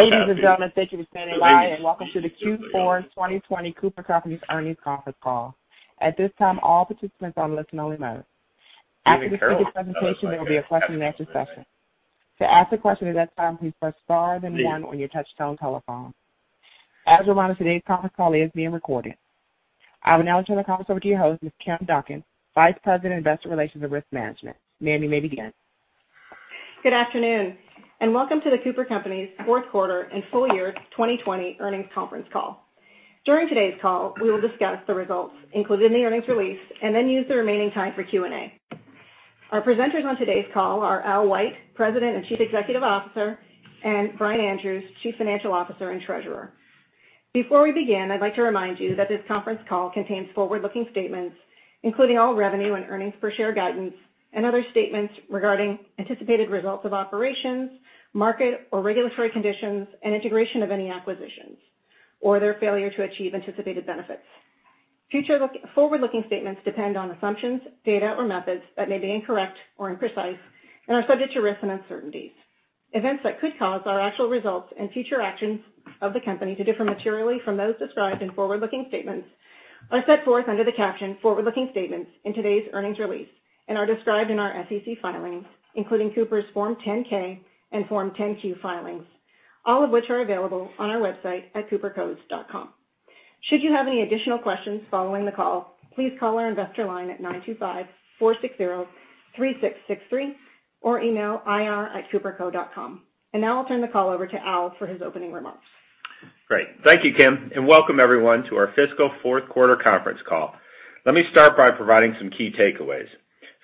Ladies and gentlemen, thank you for standing by, welcome to the Q4 2020 CooperCompanies earnings conference call. At this time, all participants are in listen only mode. After the speaker presentation, there will be a question and answer session. To ask a question at that time, please press star then one on your touchtone telephone. As a reminder, today's conference call is being recorded. I will now turn the conference over to your host, Ms. Kim Duncan, Vice President, Investor Relations and Risk Management. Ma'am, you may begin. Good afternoon, and welcome to the CooperCompanies fourth quarter and full year 2020 earnings conference call. During today's call, we will discuss the results included in the earnings release and then use the remaining time for Q&A. Our presenters on today's call are Al White, President and Chief Executive Officer, and Brian Andrews, Chief Financial Officer and Treasurer. Before we begin, I'd like to remind you that this conference call contains forward-looking statements, including all revenue and earnings per share guidance and other statements regarding anticipated results of operations, market or regulatory conditions, and integration of any acquisitions, or their failure to achieve anticipated benefits. Forward-looking statements depend on assumptions, data or methods that may be incorrect or imprecise and are subject to risk and uncertainties. Events that could cause our actual results and future actions of the company to differ materially from those described in forward-looking statements are set forth under the caption Forward-Looking Statements in today's earnings release and are described in our SEC filings, including Cooper's Form 10-K and Form 10-Q filings, all of which are available on our website at coopercos.com. Should you have any additional questions following the call, please call our investor line at 925-460-3663 or email ir@coopercos.com. Now I'll turn the call over to Al for his opening remarks. Great. Thank you, Kim, and welcome everyone to our fiscal fourth quarter conference call. Let me start by providing some key takeaways.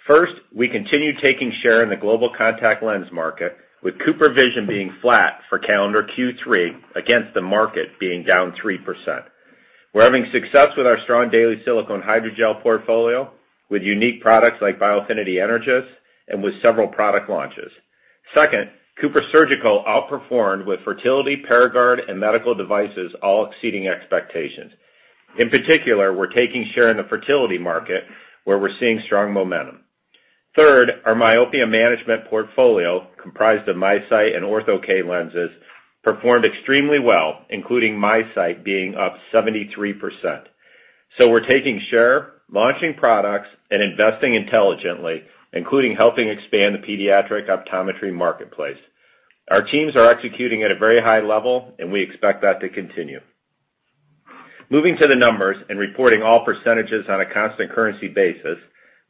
First, we continue taking share in the global contact lens market, with CooperVision being flat for calendar Q3 against the market being down 3%. We're having success with our strong daily silicone hydrogel portfolio with unique products like Biofinity Energys and with several product launches. Second, CooperSurgical outperformed with fertility, Paragard, and medical devices all exceeding expectations. In particular, we're taking share in the fertility market where we're seeing strong momentum. Third, our myopia management portfolio, comprised of MiSight and Ortho-K lenses, performed extremely well, including MiSight being up 73%. We're taking share, launching products, and investing intelligently, including helping expand the pediatric optometry marketplace. Our teams are executing at a very high level, and we expect that to continue. Moving to the numbers, reporting all percentages on a constant currency basis,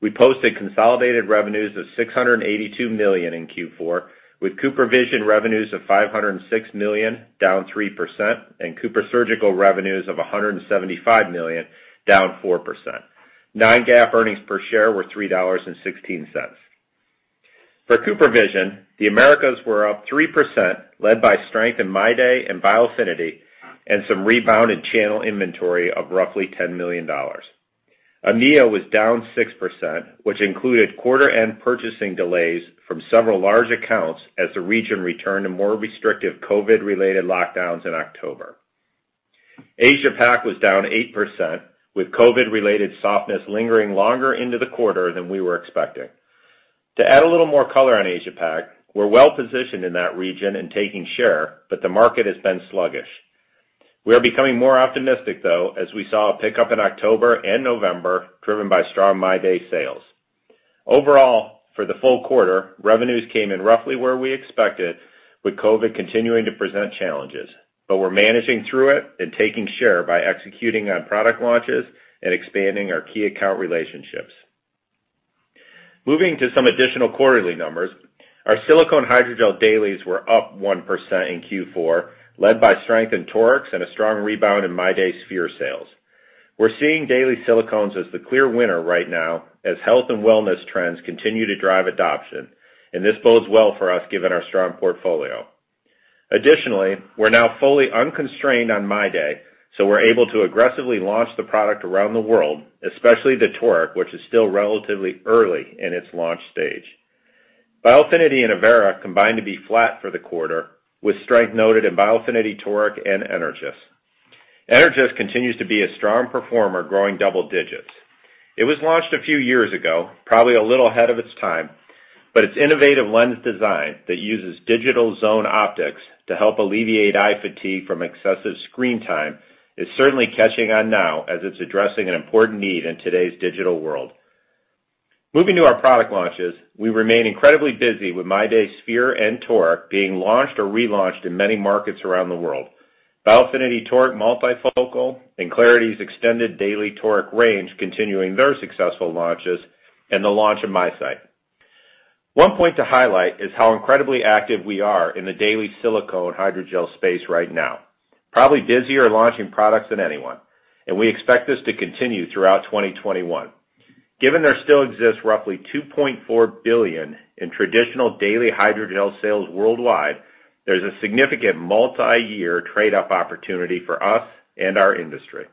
we posted consolidated revenues of $682 million in Q4, with CooperVision revenues of $506 million, down 3%, and CooperSurgical revenues of $175 million, down 4%. Non-GAAP earnings per share were $3.16. For CooperVision, the Americas were up 3%, led by strength in MyDay and Biofinity and some rebound in channel inventory of roughly $10 million. EMEA was down 6%, which included quarter-end purchasing delays from several large accounts as the region returned to more restrictive COVID-related lockdowns in October. Asia Pac was down 8%, with COVID-related softness lingering longer into the quarter than we were expecting. To add a little more color on Asia Pac, we're well positioned in that region and taking share, the market has been sluggish. We are becoming more optimistic though, as we saw a pickup in October and November driven by strong MyDay sales. For the full quarter, revenues came in roughly where we expected with COVID continuing to present challenges. We're managing through it and taking share by executing on product launches and expanding our key account relationships. Moving to some additional quarterly numbers, our silicone hydrogel dailies were up 1% in Q4, led by strength in torics and a strong rebound in MyDay sphere sales. We're seeing daily silicones as the clear winner right now as health and wellness trends continue to drive adoption. This bodes well for us given our strong portfolio. We're now fully unconstrained on MyDay. We're able to aggressively launch the product around the world, especially the toric, which is still relatively early in its launch stage. Biofinity and Avaira combined to be flat for the quarter, with strength noted in Biofinity toric and Energys. Energys continues to be a strong performer, growing double digits. It was launched a few years ago, probably a little ahead of its time, but its innovative lens design that uses Digital Zone Optics to help alleviate eye fatigue from excessive screen time is certainly catching on now as it's addressing an important need in today's digital world. Moving to our product launches, we remain incredibly busy with MyDay sphere and toric being launched or relaunched in many markets around the world. Biofinity toric multifocal and clariti's extended daily toric range continuing their successful launches and the launch of MiSight. One point to highlight is how incredibly active we are in the daily silicone hydrogel space right now. Probably busier launching products than anyone, and we expect this to continue throughout 2021. Given there still exists roughly $2.4 billion in traditional daily hydrogel sales worldwide, there's a significant multiyear trade-up opportunity for us and our industry.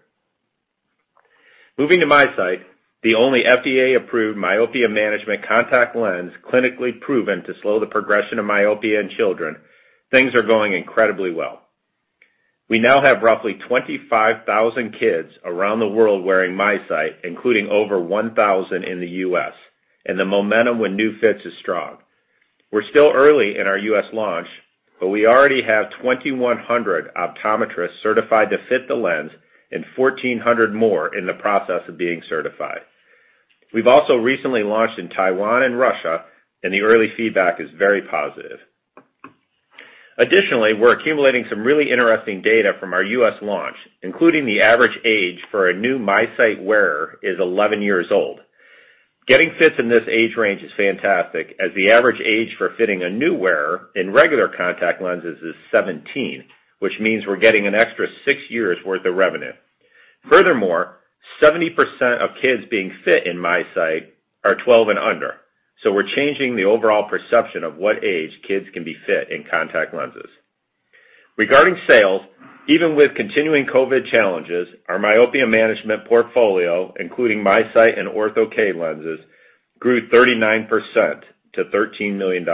Moving to MiSight, the only FDA-approved myopia management contact lens clinically proven to slow the progression of myopia in children, things are going incredibly well. We now have roughly 25,000 kids around the world wearing MiSight, including over 1,000 in the U.S., and the momentum with new fits is strong. We're still early in our U.S. launch, we already have 2,100 optometrists certified to fit the lens and 1,400 more in the process of being certified. We've also recently launched in Taiwan and Russia, the early feedback is very positive. Additionally, we're accumulating some really interesting data from our U.S. launch, including the average age for a new MiSight wearer is 11 years old. Getting fits in this age range is fantastic, as the average age for fitting a new wearer in regular contact lenses is 17, which means we're getting an extra six years worth of revenue. Furthermore, 70% of kids being fit in MiSight are 12 and under, so we're changing the overall perception of what age kids can be fit in contact lenses. Regarding sales, even with continuing COVID challenges, our myopia management portfolio, including MiSight and Ortho-K lenses, grew 39% to $13 million.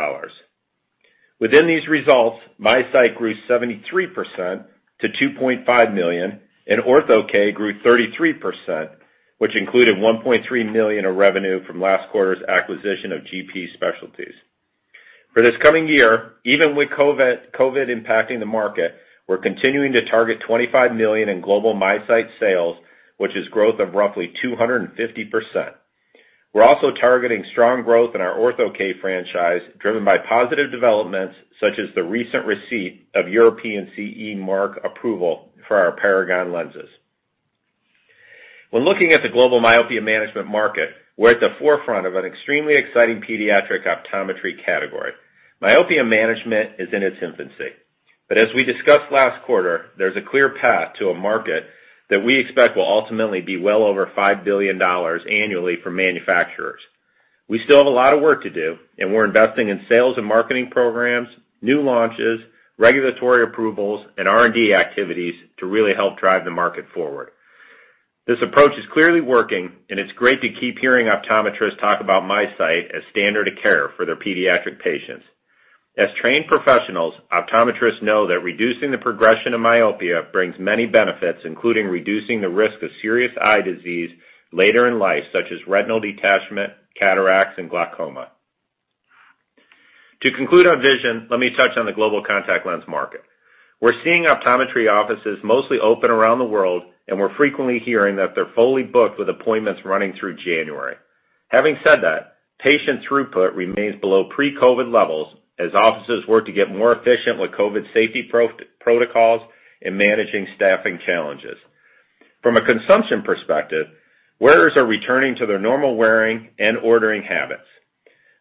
Within these results, MiSight grew 73% to $2.5 million, and Ortho-K grew 33%, which included $1.3 million of revenue from last quarter's acquisition of GP Specialists. For this coming year, even with COVID impacting the market, we're continuing to target $25 million in global MiSight sales, which is growth of roughly 250%. We're also targeting strong growth in our Ortho-K franchise, driven by positive developments such as the recent receipt of European CE mark approval for our Paragon lenses. When looking at the global myopia management market, we're at the forefront of an extremely exciting pediatric optometry category. Myopia management is in its infancy, as we discussed last quarter, there's a clear path to a market that we expect will ultimately be well over $5 billion annually for manufacturers. We still have a lot of work to do, we're investing in sales and marketing programs, new launches, regulatory approvals, and R&D activities to really help drive the market forward. This approach is clearly working, it's great to keep hearing optometrists talk about MiSight as standard of care for their pediatric patients. As trained professionals, optometrists know that reducing the progression of myopia brings many benefits, including reducing the risk of serious eye disease later in life, such as retinal detachment, cataracts, and glaucoma. To conclude our vision, let me touch on the global contact lens market. We're seeing optometry offices mostly open around the world, and we're frequently hearing that they're fully booked with appointments running through January. Having said that, patient throughput remains below pre-COVID levels as offices work to get more efficient with COVID safety protocols and managing staffing challenges. From a consumption perspective, wearers are returning to their normal wearing and ordering habits.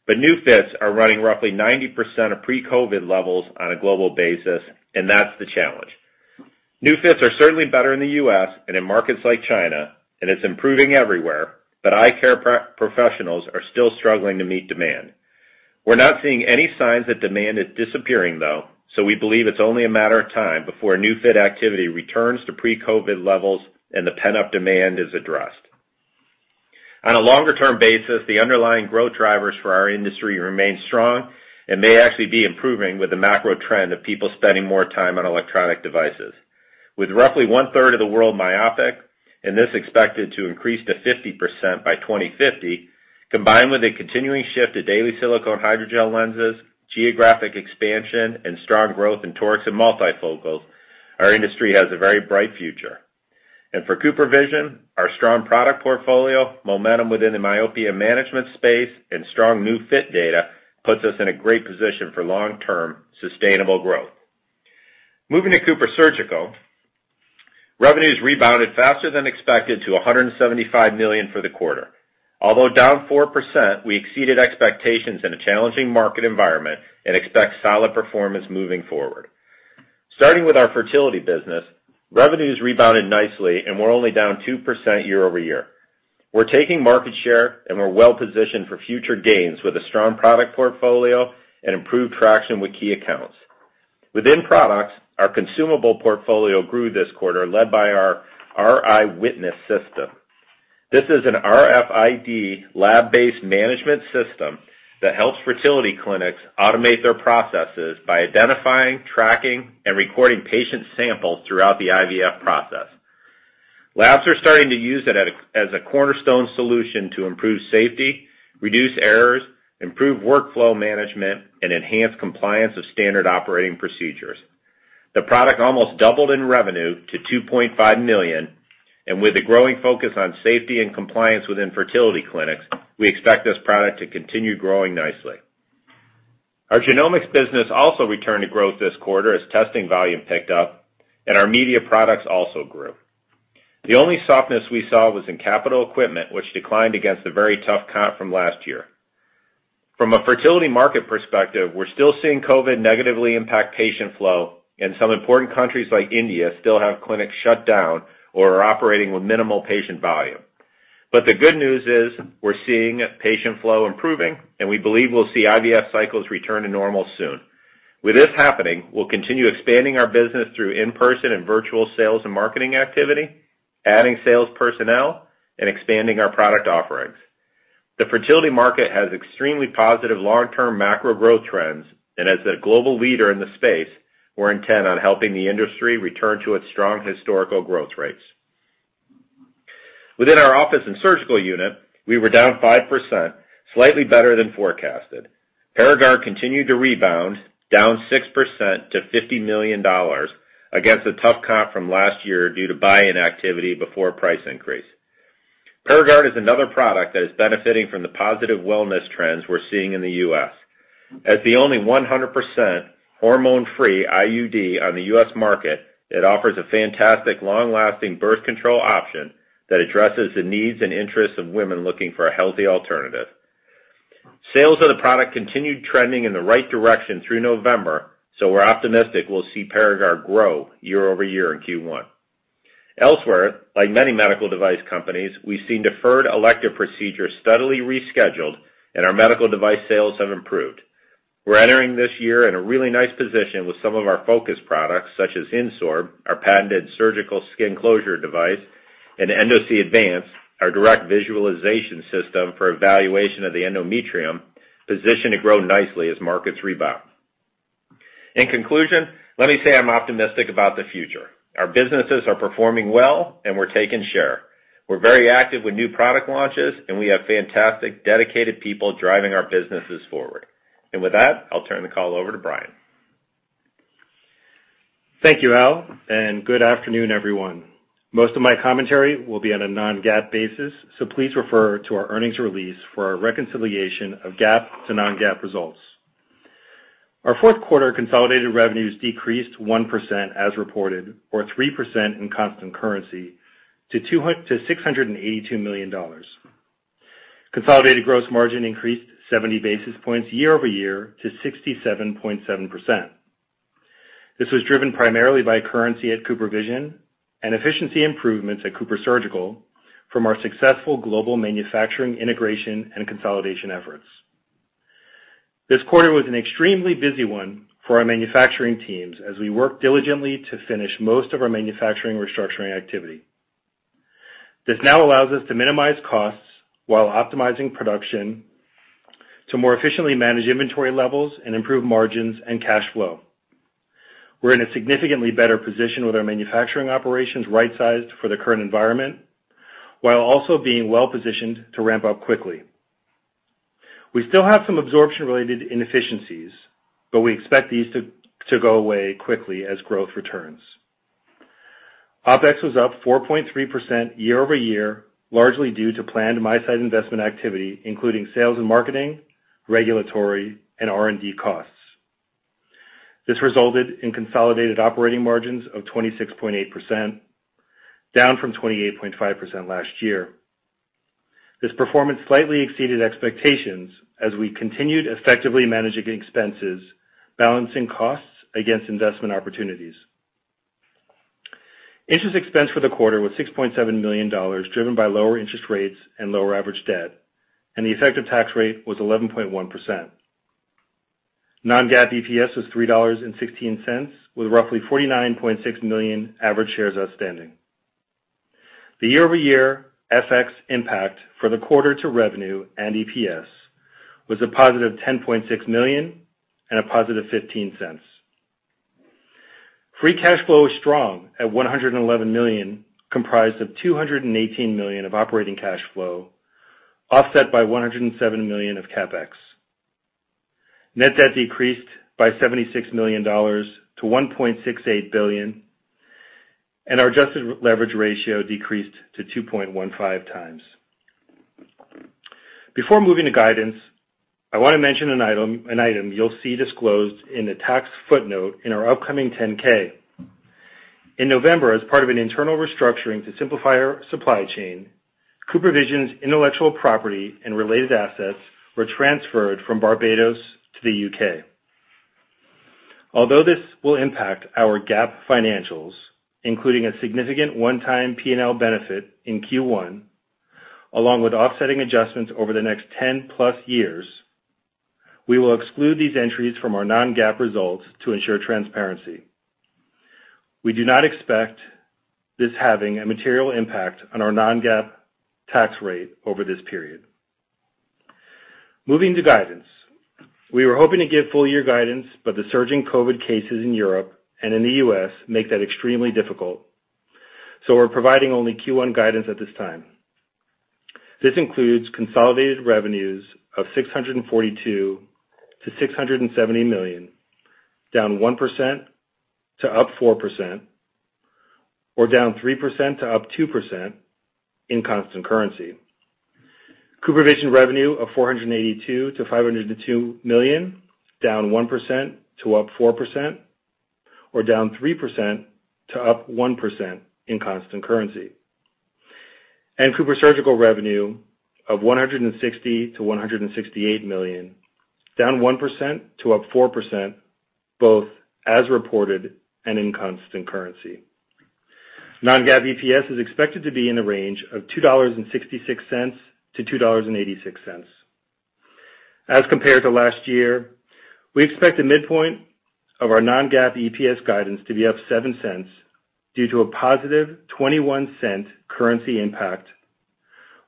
New fits are running roughly 90% of pre-COVID levels on a global basis, and that's the challenge. New fits are certainly better in the U.S. and in markets like China, and it's improving everywhere, but eye care professionals are still struggling to meet demand. We're not seeing any signs that demand is disappearing, though, so we believe it's only a matter of time before new fit activity returns to pre-COVID levels and the pent-up demand is addressed. On a longer-term basis, the underlying growth drivers for our industry remain strong and may actually be improving with the macro trend of people spending more time on electronic devices. With roughly 1/3 of the world myopic, and this expected to increase to 50% by 2050, combined with a continuing shift to daily silicone hydrogel lenses, geographic expansion, and strong growth in torics and multifocals, our industry has a very bright future. For CooperVision, our strong product portfolio, momentum within the myopia management space, and strong new fit data puts us in a great position for long-term, sustainable growth. Moving to CooperSurgical, revenues rebounded faster than expected to $175 million for the quarter. Although down 4%, we exceeded expectations in a challenging market environment and expect solid performance moving forward. Starting with our fertility business, revenues rebounded nicely, and we're only down 2% year-over-year. We're taking market share, and we're well positioned for future gains with a strong product portfolio and improved traction with key accounts. Within products, our consumable portfolio grew this quarter, led by our RI Witness system. This is an RFID lab-based management system that helps fertility clinics automate their processes by identifying, tracking, and recording patient samples throughout the IVF process. Labs are starting to use it as a cornerstone solution to improve safety, reduce errors, improve workflow management, and enhance compliance of standard operating procedures. The product almost doubled in revenue to $2.5 million, and with the growing focus on safety and compliance within fertility clinics, we expect this product to continue growing nicely. Our genomics business also returned to growth this quarter as testing volume picked up, our media products also grew. The only softness we saw was in capital equipment, which declined against a very tough comp from last year. From a fertility market perspective, we're still seeing COVID negatively impact patient flow, and some important countries like India still have clinics shut down or are operating with minimal patient volume. The good news is we're seeing patient flow improving, and we believe we'll see IVF cycles return to normal soon. With this happening, we'll continue expanding our business through in-person and virtual sales and marketing activity, adding sales personnel, and expanding our product offerings. The fertility market has extremely positive long-term macro growth trends, and as a global leader in the space, we're intent on helping the industry return to its strong historical growth rates. Within our office and surgical unit, we were down 5%, slightly better than forecasted. Paragard continued to rebound, down 6% to $50 million against a tough comp from last year due to buy-in activity before price increase. Paragard is another product that is benefiting from the positive wellness trends we're seeing in the U.S. As the only 100% hormone-free IUD on the U.S. market, it offers a fantastic long-lasting birth control option that addresses the needs and interests of women looking for a healthy alternative. Sales of the product continued trending in the right direction through November. We're optimistic we'll see Paragard grow year-over-year in Q1. Elsewhere, like many medical device companies, we've seen deferred elective procedures steadily rescheduled and our medical device sales have improved. We're entering this year in a really nice position with some of our focus products, such as INSORB, our patented surgical skin closure device, and Endosee Advance, our direct visualization system for evaluation of the endometrium, positioned to grow nicely as markets rebound. In conclusion, let me say I'm optimistic about the future. Our businesses are performing well, and we're taking share. We're very active with new product launches, and we have fantastic, dedicated people driving our businesses forward. With that, I'll turn the call over to Brian. Thank you, Al. Good afternoon, everyone. Most of my commentary will be on a non-GAAP basis. Please refer to our earnings release for our reconciliation of GAAP to non-GAAP results. Our fourth quarter consolidated revenues decreased 1% as reported, or 3% in constant currency to $682 million. Consolidated gross margin increased 70 basis points year-over-year to 67.7%. This was driven primarily by currency at CooperVision and efficiency improvements at CooperSurgical from our successful global manufacturing integration and consolidation efforts. This quarter was an extremely busy one for our manufacturing teams as we worked diligently to finish most of our manufacturing restructuring activity. This now allows us to minimize costs while optimizing production to more efficiently manage inventory levels and improve margins and cash flow. We're in a significantly better position with our manufacturing operations right-sized for the current environment, while also being well-positioned to ramp up quickly. We still have some absorption-related inefficiencies. We expect these to go away quickly as growth returns. OpEx was up 4.3% year-over-year, largely due to planned MiSight investment activity, including sales and marketing, regulatory, and R&D costs. This resulted in consolidated operating margins of 26.8%, down from 28.5% last year. This performance slightly exceeded expectations as we continued effectively managing expenses, balancing costs against investment opportunities. Interest expense for the quarter was $6.7 million, driven by lower interest rates and lower average debt, and the effective tax rate was 11.1%. Non-GAAP EPS was $3.16, with roughly 49.6 million average shares outstanding. The year-over-year FX impact for the quarter to revenue and EPS was a positive $10.6 million and a positive $0.15. Free cash flow is strong at $111 million, comprised of $218 million of operating cash flow, offset by $107 million of CapEx. Net debt decreased by $76 million to $1.68 billion, and our adjusted leverage ratio decreased to 2.15x. Before moving to guidance, I want to mention an item you'll see disclosed in a tax footnote in our upcoming 10-K. In November, as part of an internal restructuring to simplify our supply chain, CooperVision's intellectual property and related assets were transferred from Barbados to the U.K. Although this will impact our GAAP financials, including a significant one-time P&L benefit in Q1, along with offsetting adjustments over the next 10+ years, we will exclude these entries from our non-GAAP results to ensure transparency. We do not expect this having a material impact on our non-GAAP tax rate over this period. Moving to guidance. We were hoping to give full year guidance, but the surging COVID cases in Europe and in the U.S. make that extremely difficult, so we're providing only Q1 guidance at this time. This includes consolidated revenues of $642 million-$670 million, down 1% to up 4%, or down 3% to up 2% in constant currency. CooperVision revenue of $482 million-$502 million, down 1% to up 4%, or down 3% to up 1% in constant currency. CooperSurgical revenue of $160 million-$168 million, down 1% to up 4%, both as reported and in constant currency. Non-GAAP EPS is expected to be in the range of $2.66-$2.86. As compared to last year, we expect the midpoint of our non-GAAP EPS guidance to be up $0.07 due to a positive $0.21 currency impact,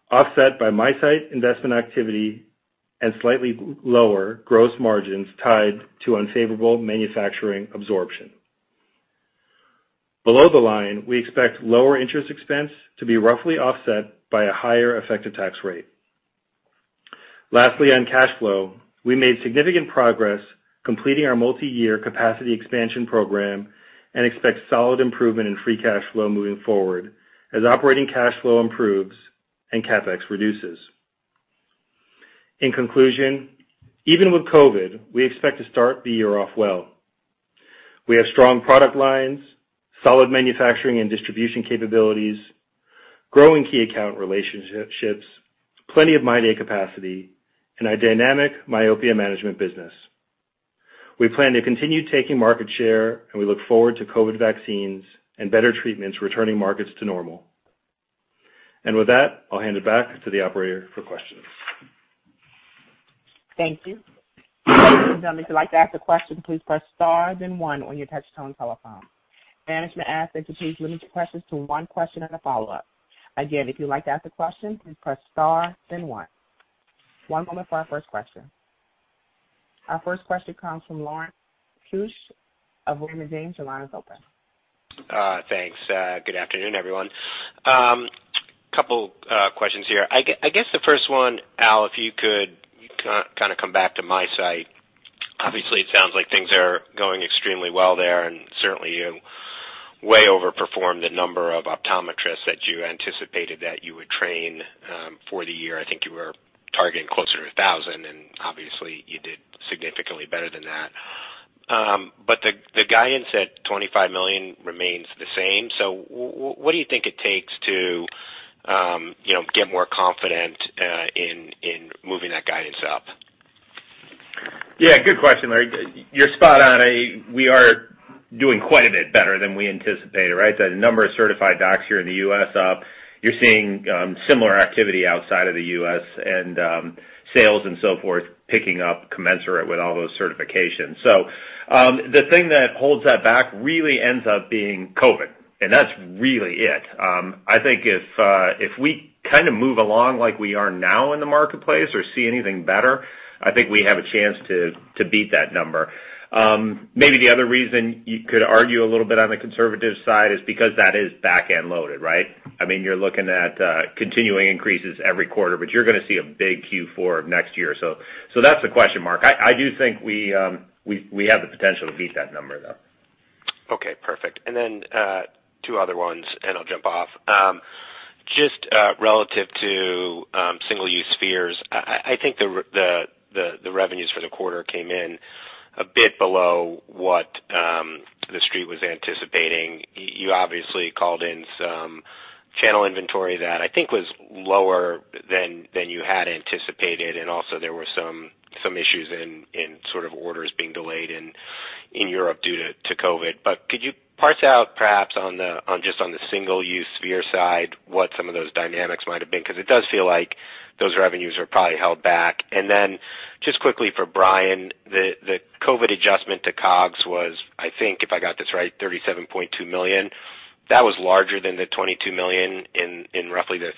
offset by MiSight investment activity and slightly lower gross margins tied to unfavorable manufacturing absorption. Below the line, we expect lower interest expense to be roughly offset by a higher effective tax rate. Lastly, on cash flow, we made significant progress completing our multi-year capacity expansion program and expect solid improvement in free cash flow moving forward as operating cash flow improves and CapEx reduces. In conclusion, even with COVID, we expect to start the year off well. We have strong product lines, solid manufacturing and distribution capabilities, growing key account relationships, plenty of MyDay capacity, and a dynamic myopia management business. We plan to continue taking market share, and we look forward to COVID vaccines and better treatments returning markets to normal. With that, I'll hand it back to the operator for questions. Thank you. If you'd like to ask a question, please press star then one on your touch-tone telephone. Management asks that you please limit your questions to one question and a follow-up. Again, if you'd like to ask a question, please press star then one. One moment for our first question. Our first question comes from Lawrence Keusch of Raymond James. Your line is open. Thanks. Good afternoon, everyone. Couple questions here. I guess the first one, Al, if you could kind of come back to MiSight. Obviously, it sounds like things are going extremely well there, and certainly you way overperformed the number of optometrists that you anticipated that you would train for the year. I think you were targeting closer to 1,000, and obviously you did significantly better than that. The guidance at $25 million remains the same. What do you think it takes to get more confident in moving that guidance up? Yeah, good question, Lawrence. You're spot on. We are doing quite a bit better than we anticipated, right? The number of certified docs here in the U.S. are up. You're seeing similar activity outside of the U.S. and sales and so forth, picking up commensurate with all those certifications. The thing that holds that back really ends up being COVID, and that's really it. I think if we kind of move along like we are now in the marketplace or see anything better, I think we have a chance to beat that number. Maybe the other reason you could argue a little bit on the conservative side is because that is back-end loaded, right? You're looking at continuing increases every quarter, but you're going to see a big Q4 of next year. That's the question mark. I do think we have the potential to beat that number, though. Okay, perfect. Then two other ones, and I'll jump off. Just relative to single-use spheres, I think the revenues for the quarter came in a bit below what the Street was anticipating. You obviously called in some channel inventory that I think was lower than you had anticipated, and also there were some issues in sort of orders being delayed in Europe due to COVID. Could you parse out perhaps just on the single-use sphere side, what some of those dynamics might have been? Because it does feel like those revenues are probably held back. Then just quickly for Brian, the COVID adjustment to COGS was, I think if I got this right, $37.2 million. That was larger than the $22 million in roughly the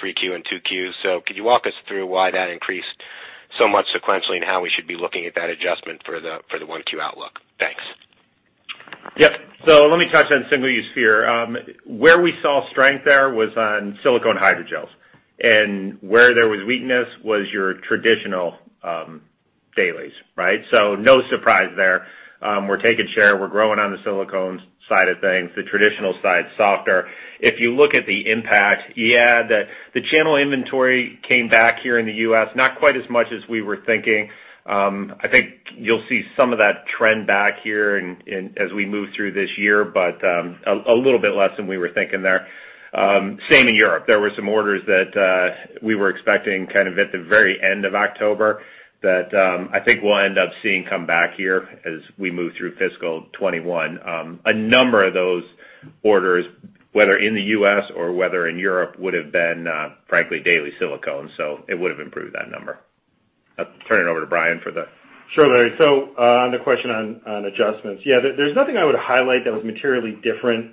3Q and 2Qs. Could you walk us through why that increased so much sequentially, and how we should be looking at that adjustment for the 1Q outlook? Thanks. Yep. Let me touch on single-use sphere. Where we saw strength there was on silicone hydrogels, and where there was weakness was your traditional dailies, right? No surprise there. We're taking share. We're growing on the silicone side of things. The traditional side is softer. If you look at the impact, yeah, the channel inventory came back here in the U.S. not quite as much as we were thinking. I think you'll see some of that trend back here and as we move through this year, but a little bit less than we were thinking there. Same in Europe. There were some orders that we were expecting kind of at the very end of October that I think we'll end up seeing come back here as we move through fiscal 2021. A number of those orders, whether in the U.S. or whether in Europe, would have been frankly daily silicone, so it would have improved that number. I'll turn it over to Brian for the- Sure, Lawrence. On the question on adjustments, yeah, there's nothing I would highlight that was materially different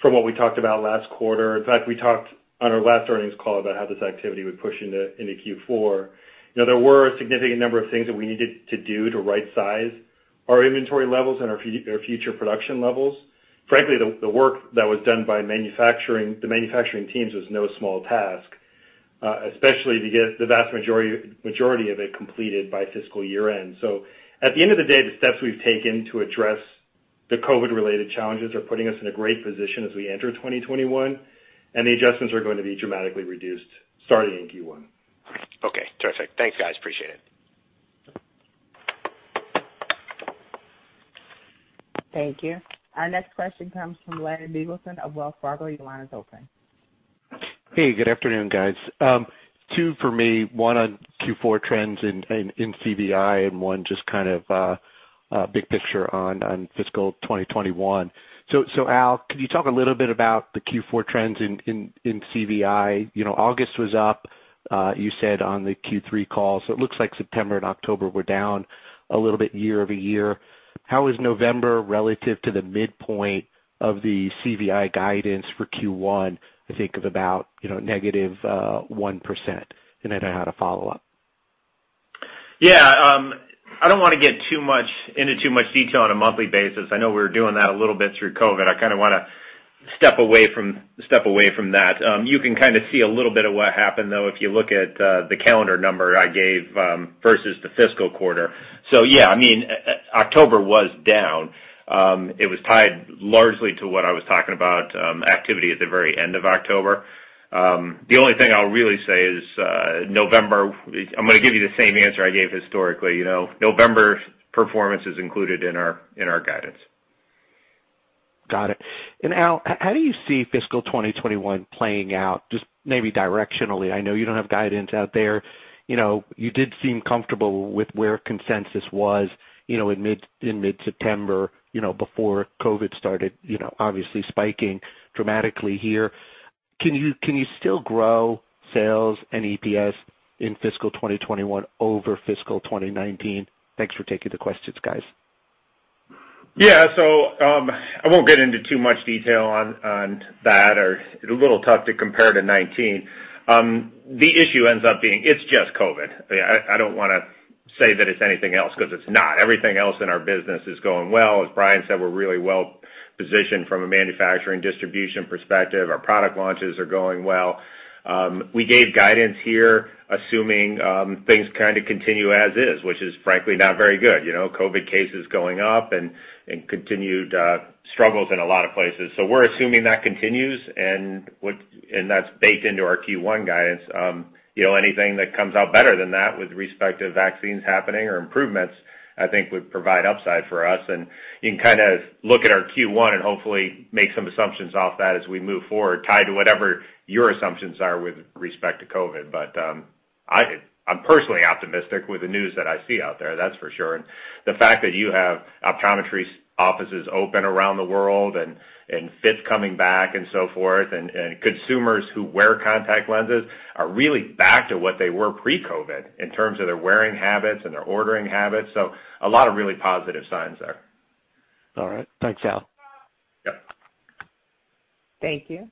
from what we talked about last quarter. In fact, we talked on our last earnings call about how this activity would push into Q4. There were a significant number of things that we needed to do to rightsize our inventory levels and our future production levels. Frankly, the work that was done by the manufacturing teams was no small task, especially to get the vast majority of it completed by fiscal year-end. At the end of the day, the steps we've taken to address the COVID-related challenges are putting us in a great position as we enter 2021, and the adjustments are going to be dramatically reduced starting in Q1. Okay, terrific. Thanks, guys. Appreciate it. Thank you. Our next question comes from Larry Biegelsen of Wells Fargo. Your line is open. Hey, good afternoon, guys. Two for me, one on Q4 trends in CVI and one just kind of big picture on fiscal 2021. Al, could you talk a little bit about the Q4 trends in CVI? August was up. You said on the Q3 call, it looks like September and October were down a little bit year-over-year. How is November relative to the midpoint of the CVI guidance for Q1, I think of about -1%? I had a follow-up. I don't want to get into too much detail on a monthly basis. I know we were doing that a little bit through COVID. I kind of want to step away from that. You can kind of see a little bit of what happened, though, if you look at the calendar number I gave versus the fiscal quarter. October was down. It was tied largely to what I was talking about, activity at the very end of October. The only thing I'll really say is November. I'm going to give you the same answer I gave historically. November performance is included in our guidance. Got it. Al, how do you see fiscal 2021 playing out, just maybe directionally? I know you don't have guidance out there. You did seem comfortable with where consensus was in mid-September, before COVID started, obviously spiking dramatically here. Can you still grow sales and EPS in fiscal 2021 over fiscal 2019? Thanks for taking the questions, guys. Yeah. I won't get into too much detail on that. It's a little tough to compare to 2019. The issue ends up being, it's just COVID. I don't want to say that it's anything else, because it's not. Everything else in our business is going well. As Brian said, we're really well-positioned from a manufacturing distribution perspective. Our product launches are going well. We gave guidance here, assuming things kind of continue as is, which is frankly not very good. COVID cases going up and continued struggles in a lot of places. We're assuming that continues, and that's baked into our Q1 guidance. Anything that comes out better than that with respect to vaccines happening or improvements, I think would provide upside for us. You can kind of look at our Q1 and hopefully make some assumptions off that as we move forward, tied to whatever your assumptions are with respect to COVID. I'm personally optimistic with the news that I see out there, that's for sure. The fact that you have optometry offices open around the world and fits coming back and so forth, and consumers who wear contact lenses are really back to what they were pre-COVID in terms of their wearing habits and their ordering habits. A lot of really positive signs there. All right. Thanks, Al. Yep. Thank you.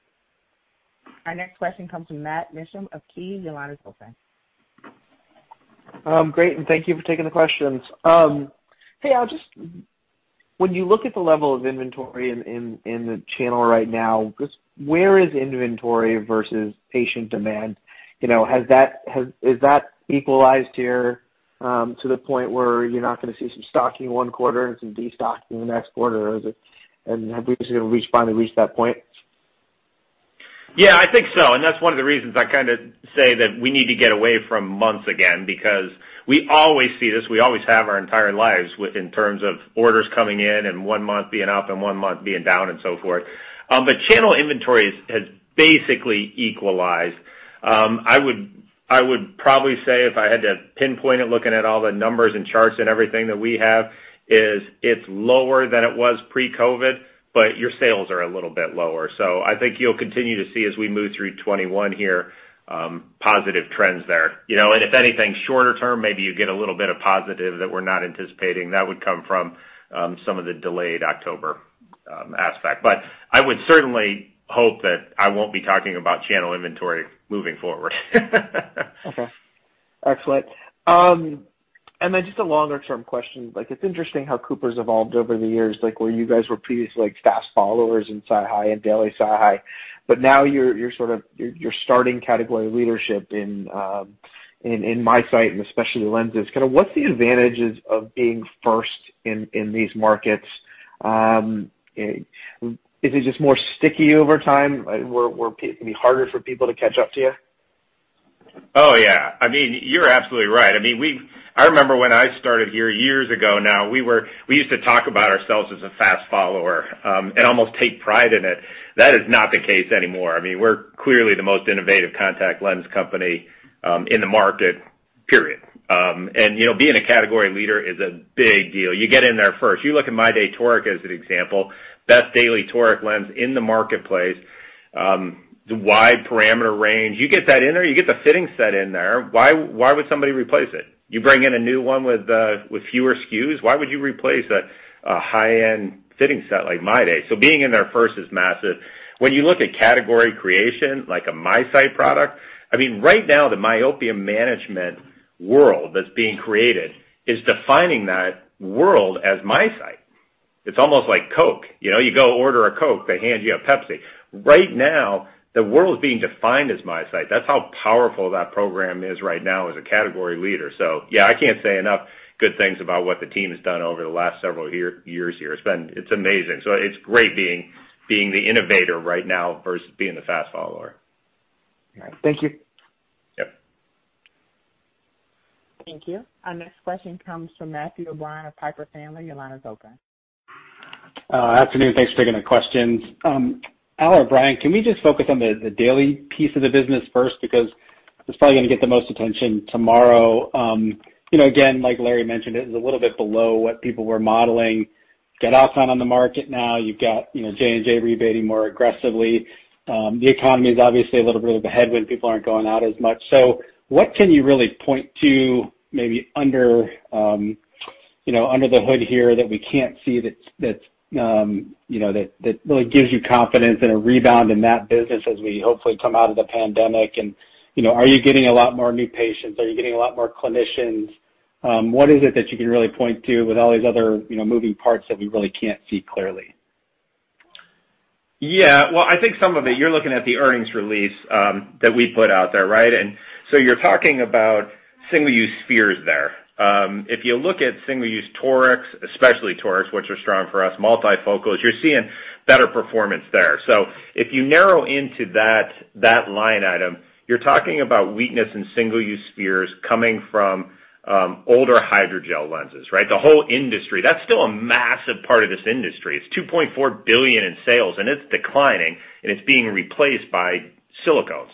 Our next question comes from Matt Mishan of Key. Your line is open. Great, thank you for taking the questions. Hey, Al, when you look at the level of inventory in the channel right now, just where is inventory versus patient demand? Is that equalized here to the point where you're not going to see some stocking one quarter and some destocking the next quarter? Have we finally reached that point? Yeah, I think so. That's one of the reasons I kind of say that we need to get away from months again, because we always see this, we always have our entire lives in terms of orders coming in and one month being up and one month being down and so forth. Channel inventory has basically equalized. I would probably say if I had to pinpoint it, looking at all the numbers and charts and everything that we have, is it's lower than it was pre-COVID, your sales are a little bit lower. I think you'll continue to see as we move through 2021 here, positive trends there. If anything, shorter term, maybe you get a little bit of positive that we're not anticipating. That would come from some of the delayed October aspect. I would certainly hope that I won't be talking about channel inventory moving forward. Okay. Excellent. Just a longer-term question. It's interesting how Cooper's evolved over the years, where you guys were previously fast followers in SiHy and daily SiHy, but now you're starting category leadership in MiSight and especially lenses. Kind of what's the advantages of being first in these markets? Is it just more sticky over time, where it can be harder for people to catch up to you? Oh, yeah. You're absolutely right. I remember when I started here years ago now, we used to talk about ourselves as a fast follower, and almost take pride in it. That is not the case anymore. We're clearly the most innovative contact lens company in the market, period. Being a category leader is a big deal. You get in there first. You look at MyDay toric as an example, best daily toric lens in the marketplace. The wide parameter range. You get that in there, you get the fitting set in there, why would somebody replace it? You bring in a new one with fewer SKUs. Why would you replace a high-end fitting set like MyDay? Being in there first is massive. When you look at category creation like a MiSight product, right now the myopia management world that's being created is defining that world as MiSight. It's almost like Coke. You go order a Coke, they hand you a Pepsi. Right now, the world's being defined as MiSight. That's how powerful that program is right now as a category leader. Yeah, I can't say enough good things about what the team has done over the last several years here. It's amazing. It's great being the innovator right now versus being the fast follower. All right. Thank you. Yep. Thank you. Our next question comes from Matthew O'Brien of Piper Sandler. Your line is open. Afternoon. Thanks for taking the questions. Al or Brian, can we just focus on the daily piece of the business first, because it's probably going to get the most attention tomorrow. Again, like Larry mentioned, it was a little bit below what people were modeling. You got Alcon on the market now. You've got J&J rebating more aggressively. The economy is obviously a little bit of a headwind. People aren't going out as much. What can you really point to maybe under the hood here that we can't see that really gives you confidence in a rebound in that business as we hopefully come out of the pandemic, and are you getting a lot more new patients? Are you getting a lot more clinicians? What is it that you can really point to with all these other moving parts that we really can't see clearly? Well, I think some of it, you're looking at the earnings release that we put out there, right? You're talking about single-use spheres there. If you look at single-use torics, especially torics, which are strong for us, multifocals, you're seeing better performance there. If you narrow into that line item, you're talking about weakness in single-use spheres coming from older hydrogel lenses, right? The whole industry. That's still a massive part of this industry. It's $2.4 billion in sales, and it's declining, and it's being replaced by silicones.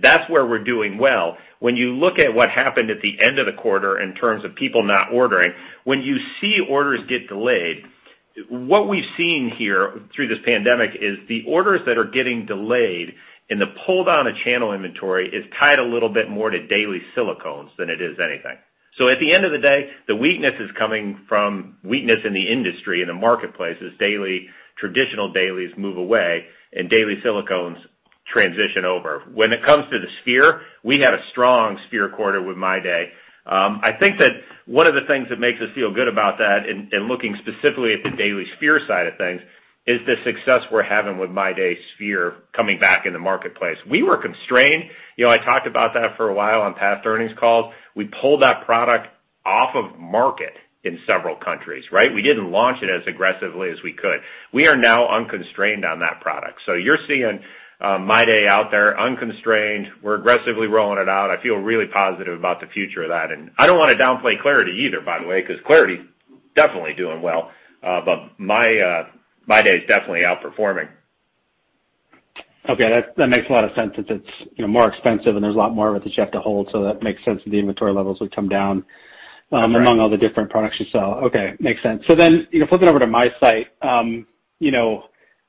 That's where we're doing well. When you look at what happened at the end of the quarter in terms of people not ordering, when you see orders get delayed, what we've seen here through this pandemic is the orders that are getting delayed and the pull-down of channel inventory is tied a little bit more to daily silicones than it is anything. At the end of the day, the weakness is coming from weakness in the industry, in the marketplace as traditional dailies move away, and daily silicones transition over. When it comes to the sphere, we had a strong sphere quarter with MyDay. I think that one of the things that makes us feel good about that, and looking specifically at the daily sphere side of things, is the success we're having with MyDay sphere coming back in the marketplace. We were constrained. I talked about that for a while on past earnings calls. We pulled that product off of market in several countries, right? We didn't launch it as aggressively as we could. We are now unconstrained on that product. You're seeing MyDay out there unconstrained. We're aggressively rolling it out. I feel really positive about the future of that. I don't want to downplay clariti either, by the way. clariti, definitely doing well. MyDay is definitely outperforming. Okay. That makes a lot of sense that it's more expensive, and there's a lot more of it that you have to hold, so that makes sense that the inventory levels would come down. Correct Among all the different products you sell. Okay. Makes sense. Flipping over to MiSight.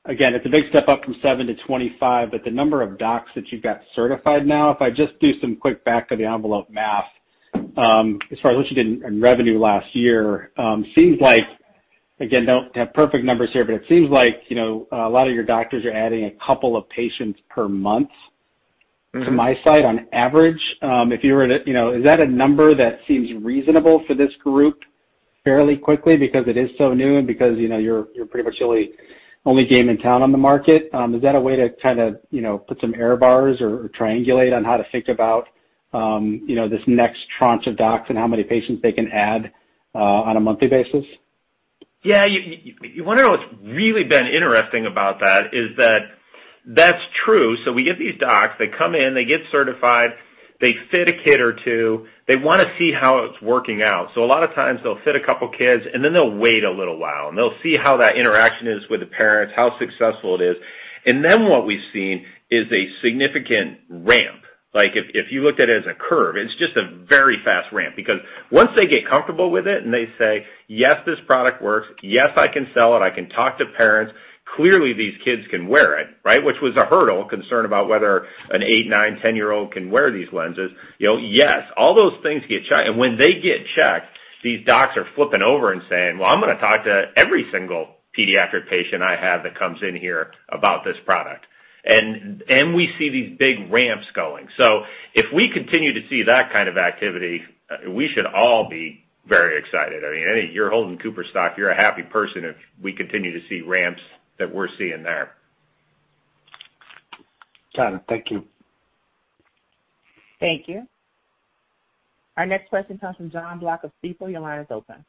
Again, it's a big step up from seven to 25, but the number of docs that you've got certified now, if I just do some quick back of the envelope math, as far as what you did in revenue last year, seems like, again, don't have perfect numbers here, but it seems like a lot of your doctors are adding a couple of patients per month to MiSight on average. Is that a number that seems reasonable for this group fairly quickly because it is so new and because you're pretty much the only game in town on the market? Is that a way to kind of put some error bars or triangulate on how to think about this next tranche of docs and how many patients they can add on a monthly basis? Yeah. You wonder what's really been interesting about that is that that's true. We get these docs, they come in, they get certified, they fit a kid or two. They want to see how it's working out. A lot of times they'll fit a couple kids, and then they'll wait a little while, and they'll see how that interaction is with the parents, how successful it is. What we've seen is a significant ramp. If you looked at it as a curve, it's just a very fast ramp because once they get comfortable with it and they say, "Yes, this product works. Yes, I can sell it. I can talk to parents. Clearly, these kids can wear it," right? Which was a hurdle, concern about whether an eight, nine, 10-year-old can wear these lenses. Yes, all those things get checked, and when they get checked, these docs are flipping over and saying, "Well, I'm going to talk to every single pediatric patient I have that comes in here about this product." We see these big ramps going. If we continue to see that kind of activity, we should all be very excited. I mean, you're holding Cooper stock, you're a happy person if we continue to see ramps that we're seeing there. Got it. Thank you. Thank you. Our next question comes from Jon Block of Stifel. Your line is open.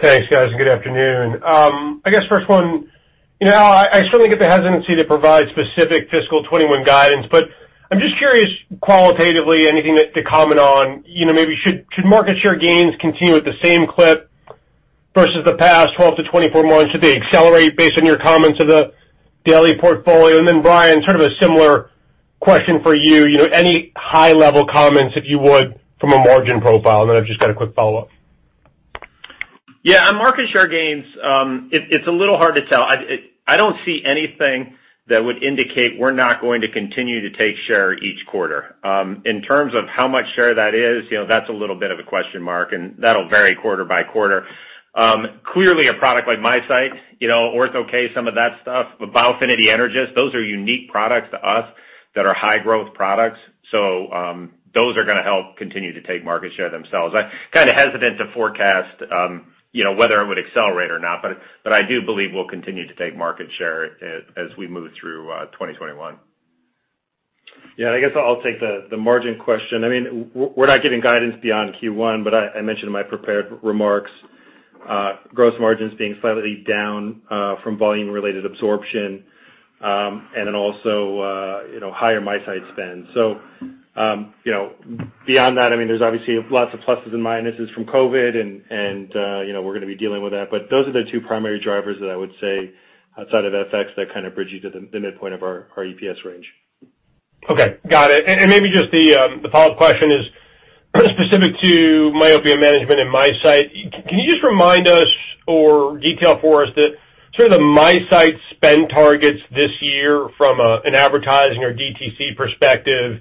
Thanks, guys. Good afternoon. I guess first one, I certainly get the hesitancy to provide specific fiscal 2021 guidance, I'm just curious qualitatively anything to comment on maybe should market share gains continue at the same clip versus the past 12 to 24 months? Should they accelerate based on your comments of the daily portfolio? Brian, sort of a similar question for you. Any high level comments, if you would, from a margin profile, I've just got a quick follow-up. On market share gains, it's a little hard to tell. I don't see anything that would indicate we're not going to continue to take share each quarter. In terms of how much share that is, that's a little bit of a question mark, and that'll vary quarter by quarter. Clearly a product like MiSight, Ortho-K, some of that stuff, Biofinity, Energys, those are unique products to us that are high growth products. Those are going to help continue to take market share themselves. I'm kind of hesitant to forecast whether it would accelerate or not, but I do believe we'll continue to take market share as we move through 2021. I guess I'll take the margin question. We're not giving guidance beyond Q1, but I mentioned in my prepared remarks gross margins being slightly down from volume-related absorption, and then also higher MiSight spend. Beyond that, there's obviously lots of pluses and minuses from COVID and we're going to be dealing with that, but those are the two primary drivers that I would say outside of FX that kind of bridge you to the midpoint of our EPS range. Okay. Got it. Maybe just the follow-up question is specific to myopia management and MiSight. Can you just remind us or detail for us the sort of MiSight spend targets this year from an advertising or DTC perspective?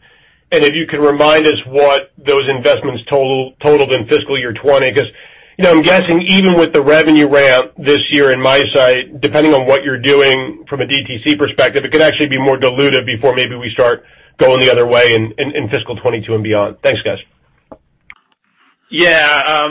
If you could remind us what those investments totaled in fiscal year 2020, because I'm guessing even with the revenue ramp this year in MiSight, depending on what you're doing from a DTC perspective, it could actually be more dilutive before maybe we start going the other way in fiscal 2022 and beyond. Thanks, guys. Yeah.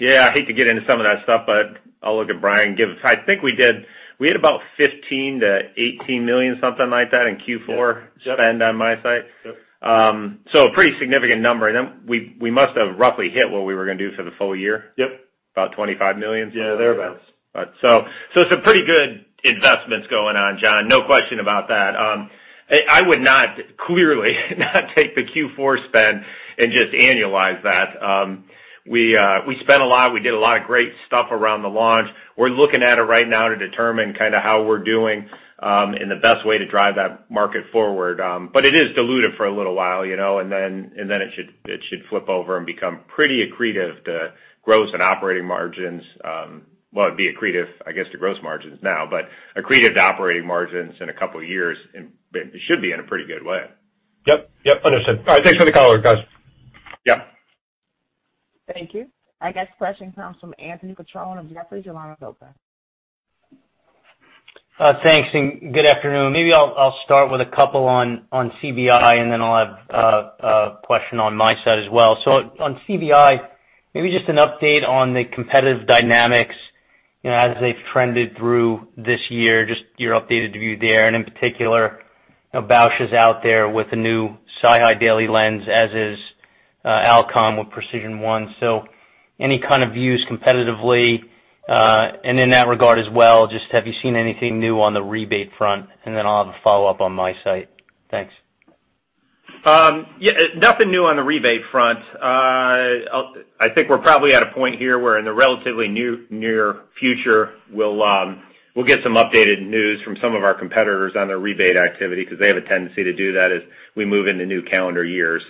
I hate to get into some of that stuff, but I'll look at Brian. I think we had about $15 million-$18 million, something like that, in Q4 spend on MiSight. Yep. A pretty significant number. We must have roughly hit what we were going to do for the full year. Yep. About $25 million. Yeah, thereabout. Some pretty good investments going on, Jon. No question about that. I would not, clearly, not take the Q4 spend and just annualize that. We spent a lot, we did a lot of great stuff around the launch. We're looking at it right now to determine how we're doing, and the best way to drive that market forward. It is dilutive for a little while, and then it should flip over and become pretty accretive to gross and operating margins. Well, it'd be accretive, I guess, to gross margins now, but accretive to operating margins in a couple of years, and it should be in a pretty good way. Yep. Understood. All right. Thanks for the color, guys. Yep. Thank you. Our next question comes from Anthony Petrone of Jefferies. Your line is open. Thanks, good afternoon. Maybe I'll start with a couple on CVI, then I'll have a question on MiSight as well. On CVI, maybe just an update on the competitive dynamics as they've trended through this year, just your updated view there. In particular, Bausch is out there with the new SiHy Daily lens, as is Alcon with PRECISION1. Any kind of views competitively? In that regard as well, just have you seen anything new on the rebate front? Then I'll have a follow-up on MiSight. Thanks. Nothing new on the rebate front. I think we're probably at a point here where in the relatively near future, we'll get some updated news from some of our competitors on their rebate activity, because they have a tendency to do that as we move into new calendar years.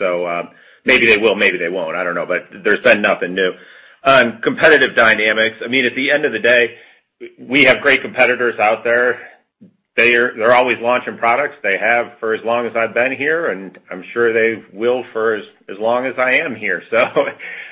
Maybe they will, maybe they won't, I don't know. There's nothing new. On competitive dynamics, at the end of the day, we have great competitors out there. They're always launching products. They have for as long as I've been here, and I'm sure they will for as long as I am here.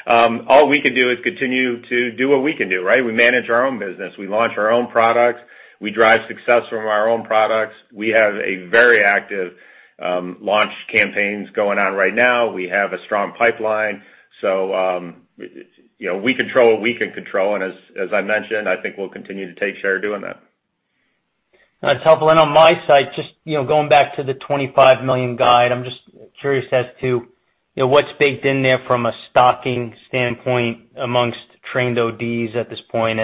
All we can do is continue to do what we can do, right? We manage our own business. We launch our own products. We drive success from our own products. We have a very active launch campaigns going on right now. We have a strong pipeline. We control what we can control, and as I mentioned, I think we'll continue to take share doing that. That's helpful. On MiSight, just going back to the $25 million guide, I'm just curious as to what's baked in there from a stocking standpoint amongst trained ODs at this point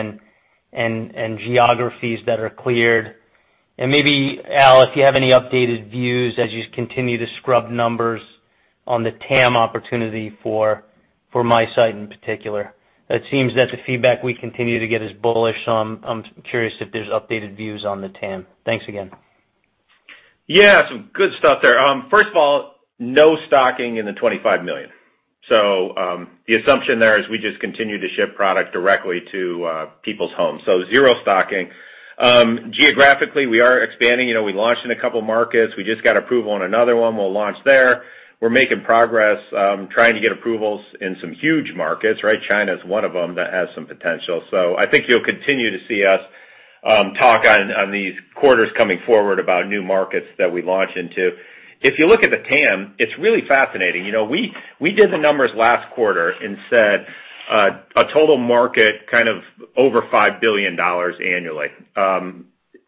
and geographies that are cleared. Maybe, Al, if you have any updated views as you continue to scrub numbers on the TAM opportunity for MiSight in particular. It seems that the feedback we continue to get is bullish, so I'm curious if there's updated views on the TAM. Thanks again. Yeah, some good stuff there. First of all, no stocking in the $25 million. The assumption there is we just continue to ship product directly to people's homes. Zero stocking. Geographically, we are expanding. We launched in a couple markets. We just got approval on another one. We'll launch there. We're making progress, trying to get approvals in some huge markets, right? China's one of them that has some potential. I think you'll continue to see us talk on these quarters coming forward about new markets that we launch into. If you look at the TAM, it's really fascinating. We did the numbers last quarter and said a total market kind of over $5 billion annually.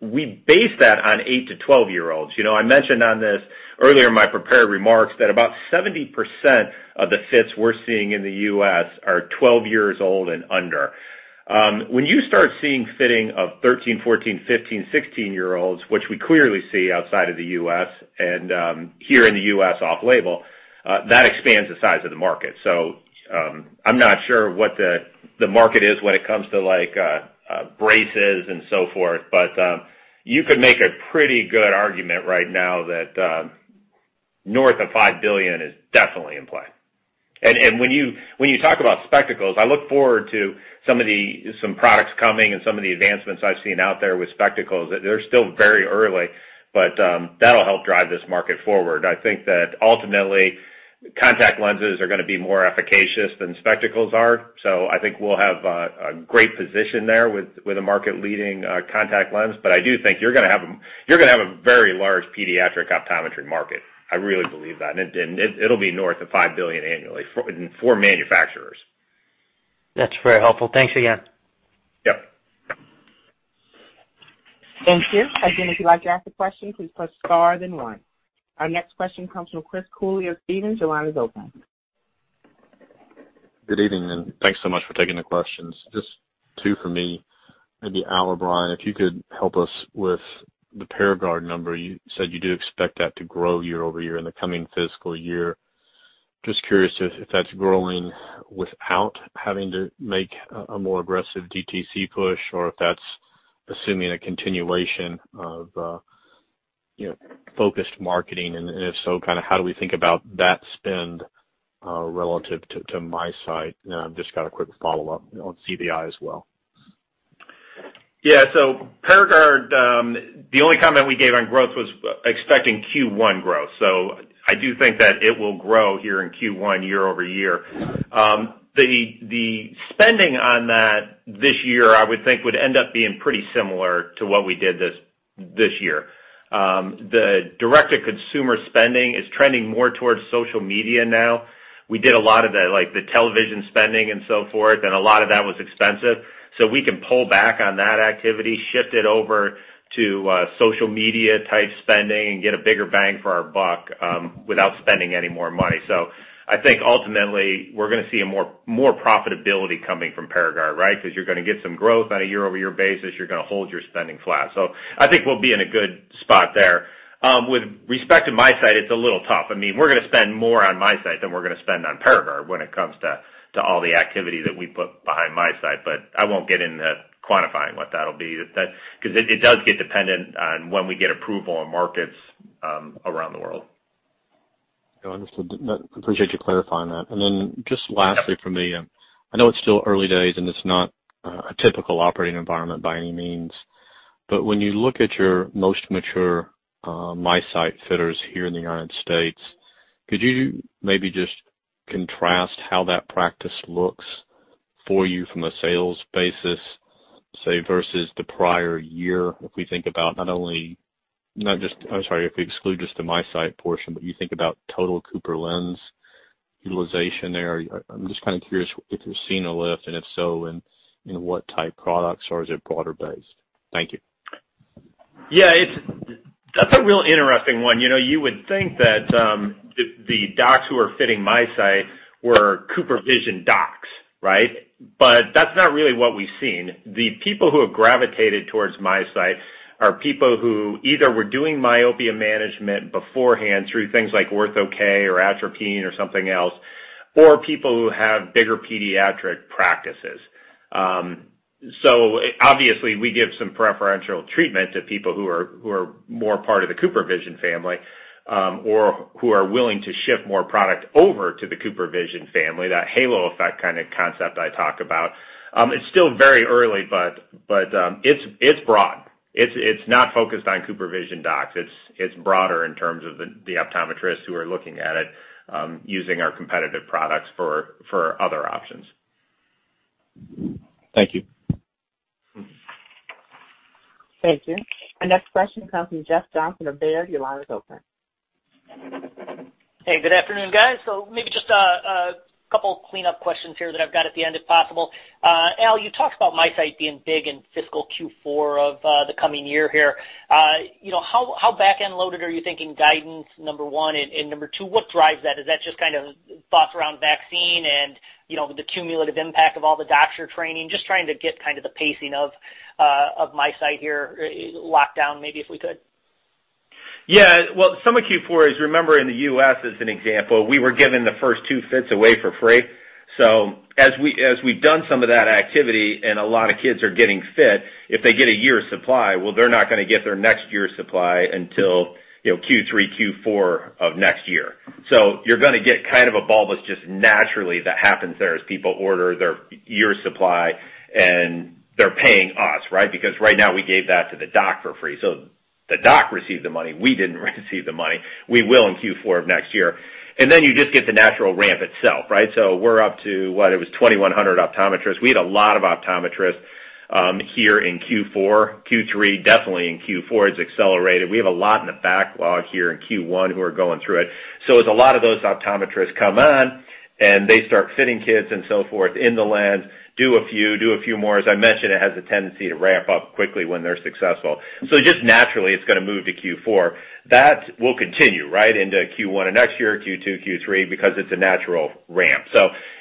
We based that on eight to 12-year-olds. I mentioned on this earlier in my prepared remarks that about 70% of the fits we're seeing in the U.S. are 12 years old and under. When you start seeing fitting of 13, 14, 15, 16-year-olds, which we clearly see outside of the U.S. and here in the U.S. off-label, that expands the size of the market. I'm not sure what the market is when it comes to braces and so forth, but you could make a pretty good argument right now that north of $5 billion is definitely in play. When you talk about spectacles, I look forward to some products coming and some of the advancements I've seen out there with spectacles. They're still very early, but that'll help drive this market forward. I think that ultimately, contact lenses are going to be more efficacious than spectacles are. I think we'll have a great position there with a market-leading contact lens. I do think you're going to have a very large pediatric optometry market. I really believe that. It'll be north of $5 billion annually for manufacturers. That's very helpful. Thanks again. Yep. Thank you. Again, if you'd like to ask a question, please press star then one. Our next question comes from Chris Cooley of Stephens. Your line is open. Good evening, and thanks so much for taking the questions. Just two for me. Maybe Al or Brian, if you could help us with the Paragard number. You said you do expect that to grow year-over-year in the coming fiscal year. Just curious if that's growing without having to make a more aggressive DTC push, or if that's assuming a continuation of focused marketing. If so, kind of how do we think about that spend relative to MiSight? I've just got a quick follow-up on CVI as well. Yeah. Paragard, the only comment we gave on growth was expecting Q1 growth. I do think that it will grow here in Q1 year-over-year. The spending on that this year, I would think, would end up being pretty similar to what we did this year. The direct-to-consumer spending is trending more towards social media now. We did a lot of the television spending and so forth, and a lot of that was expensive. We can pull back on that activity, shift it over to social media type spending, and get a bigger bang for our buck without spending any more money. I think ultimately, we're going to see more profitability coming from Paragard, right? Because you're going to get some growth on a year-over-year basis. You're going to hold your spending flat. I think we'll be in a good spot there. With respect to MiSight, it's a little tough. We're going to spend more on MiSight than we're going to spend on Paragard when it comes to all the activity that we put behind MiSight, but I won't get into quantifying what that'll be, because it does get dependent on when we get approval in markets around the world. No, understood. Appreciate you clarifying that. Just lastly from me, I know it's still early days, and it's not a typical operating environment by any means. When you look at your most mature MiSight fitters here in the U.S., could you maybe just contrast how that practice looks for you from a sales basis, say, versus the prior year? If we exclude just the MiSight portion, but you think about total Cooper lens utilization there. I'm just kind of curious if you're seeing a lift, and if so, in what type products, or is it broader based? Thank you. Yeah. That's a real interesting one. You would think that the docs who are fitting MiSight were CooperVision docs, right? That's not really what we've seen. The people who have gravitated towards MiSight are people who either were doing myopia management beforehand through things like Ortho-K or atropine or something else, or people who have bigger pediatric practices. Obviously, we give some preferential treatment to people who are more part of the CooperVision family, or who are willing to ship more product over to the CooperVision family, that halo effect kind of concept I talk about. It's still very early, but it's broad. It's not focused on CooperVision docs. It's broader in terms of the optometrists who are looking at it using our competitive products for other options. Thank you. Thank you. Our next question comes from Jeff Johnson of Baird. Your line is open. Hey, good afternoon, guys. Maybe just a couple clean-up questions here that I've got at the end, if possible. Al, you talked about MiSight being big in fiscal Q4 of the coming year here. How backend loaded are you thinking guidance, number one, and number two, what drives that? Is that just kind of thoughts around vaccine and the cumulative impact of all the doctor training? Just trying to get kind of the pacing of MiSight here locked down, maybe if we could. Well, some of Q4 is, remember, in the U.S., as an example, we were giving the first two fits away for free. As we've done some of that activity and a lot of kids are getting fit, they get a year of supply, well, they're not going to get their next year's supply until Q3, Q4 of next year. You're going to get kind of a bulge that's just naturally that happens there as people order their year supply, and they're paying us, right? Because right now we gave that to the doc for free. The doc received the money. We didn't receive the money. We will in Q4 of next year. You just get the natural ramp itself, right? We're up to, what, it was 2,100 optometrists. We had a lot of optometrists here in Q4. Q3, definitely in Q4, it's accelerated. We have a lot in the backlog here in Q1 who are going through it. As a lot of those optometrists come on, and they start fitting kids and so forth in the lens, do a few more. As I mentioned, it has a tendency to ramp up quickly when they're successful. Just naturally, it's going to move to Q4. That will continue right into Q1 of next year, Q2, Q3, because it's a natural ramp.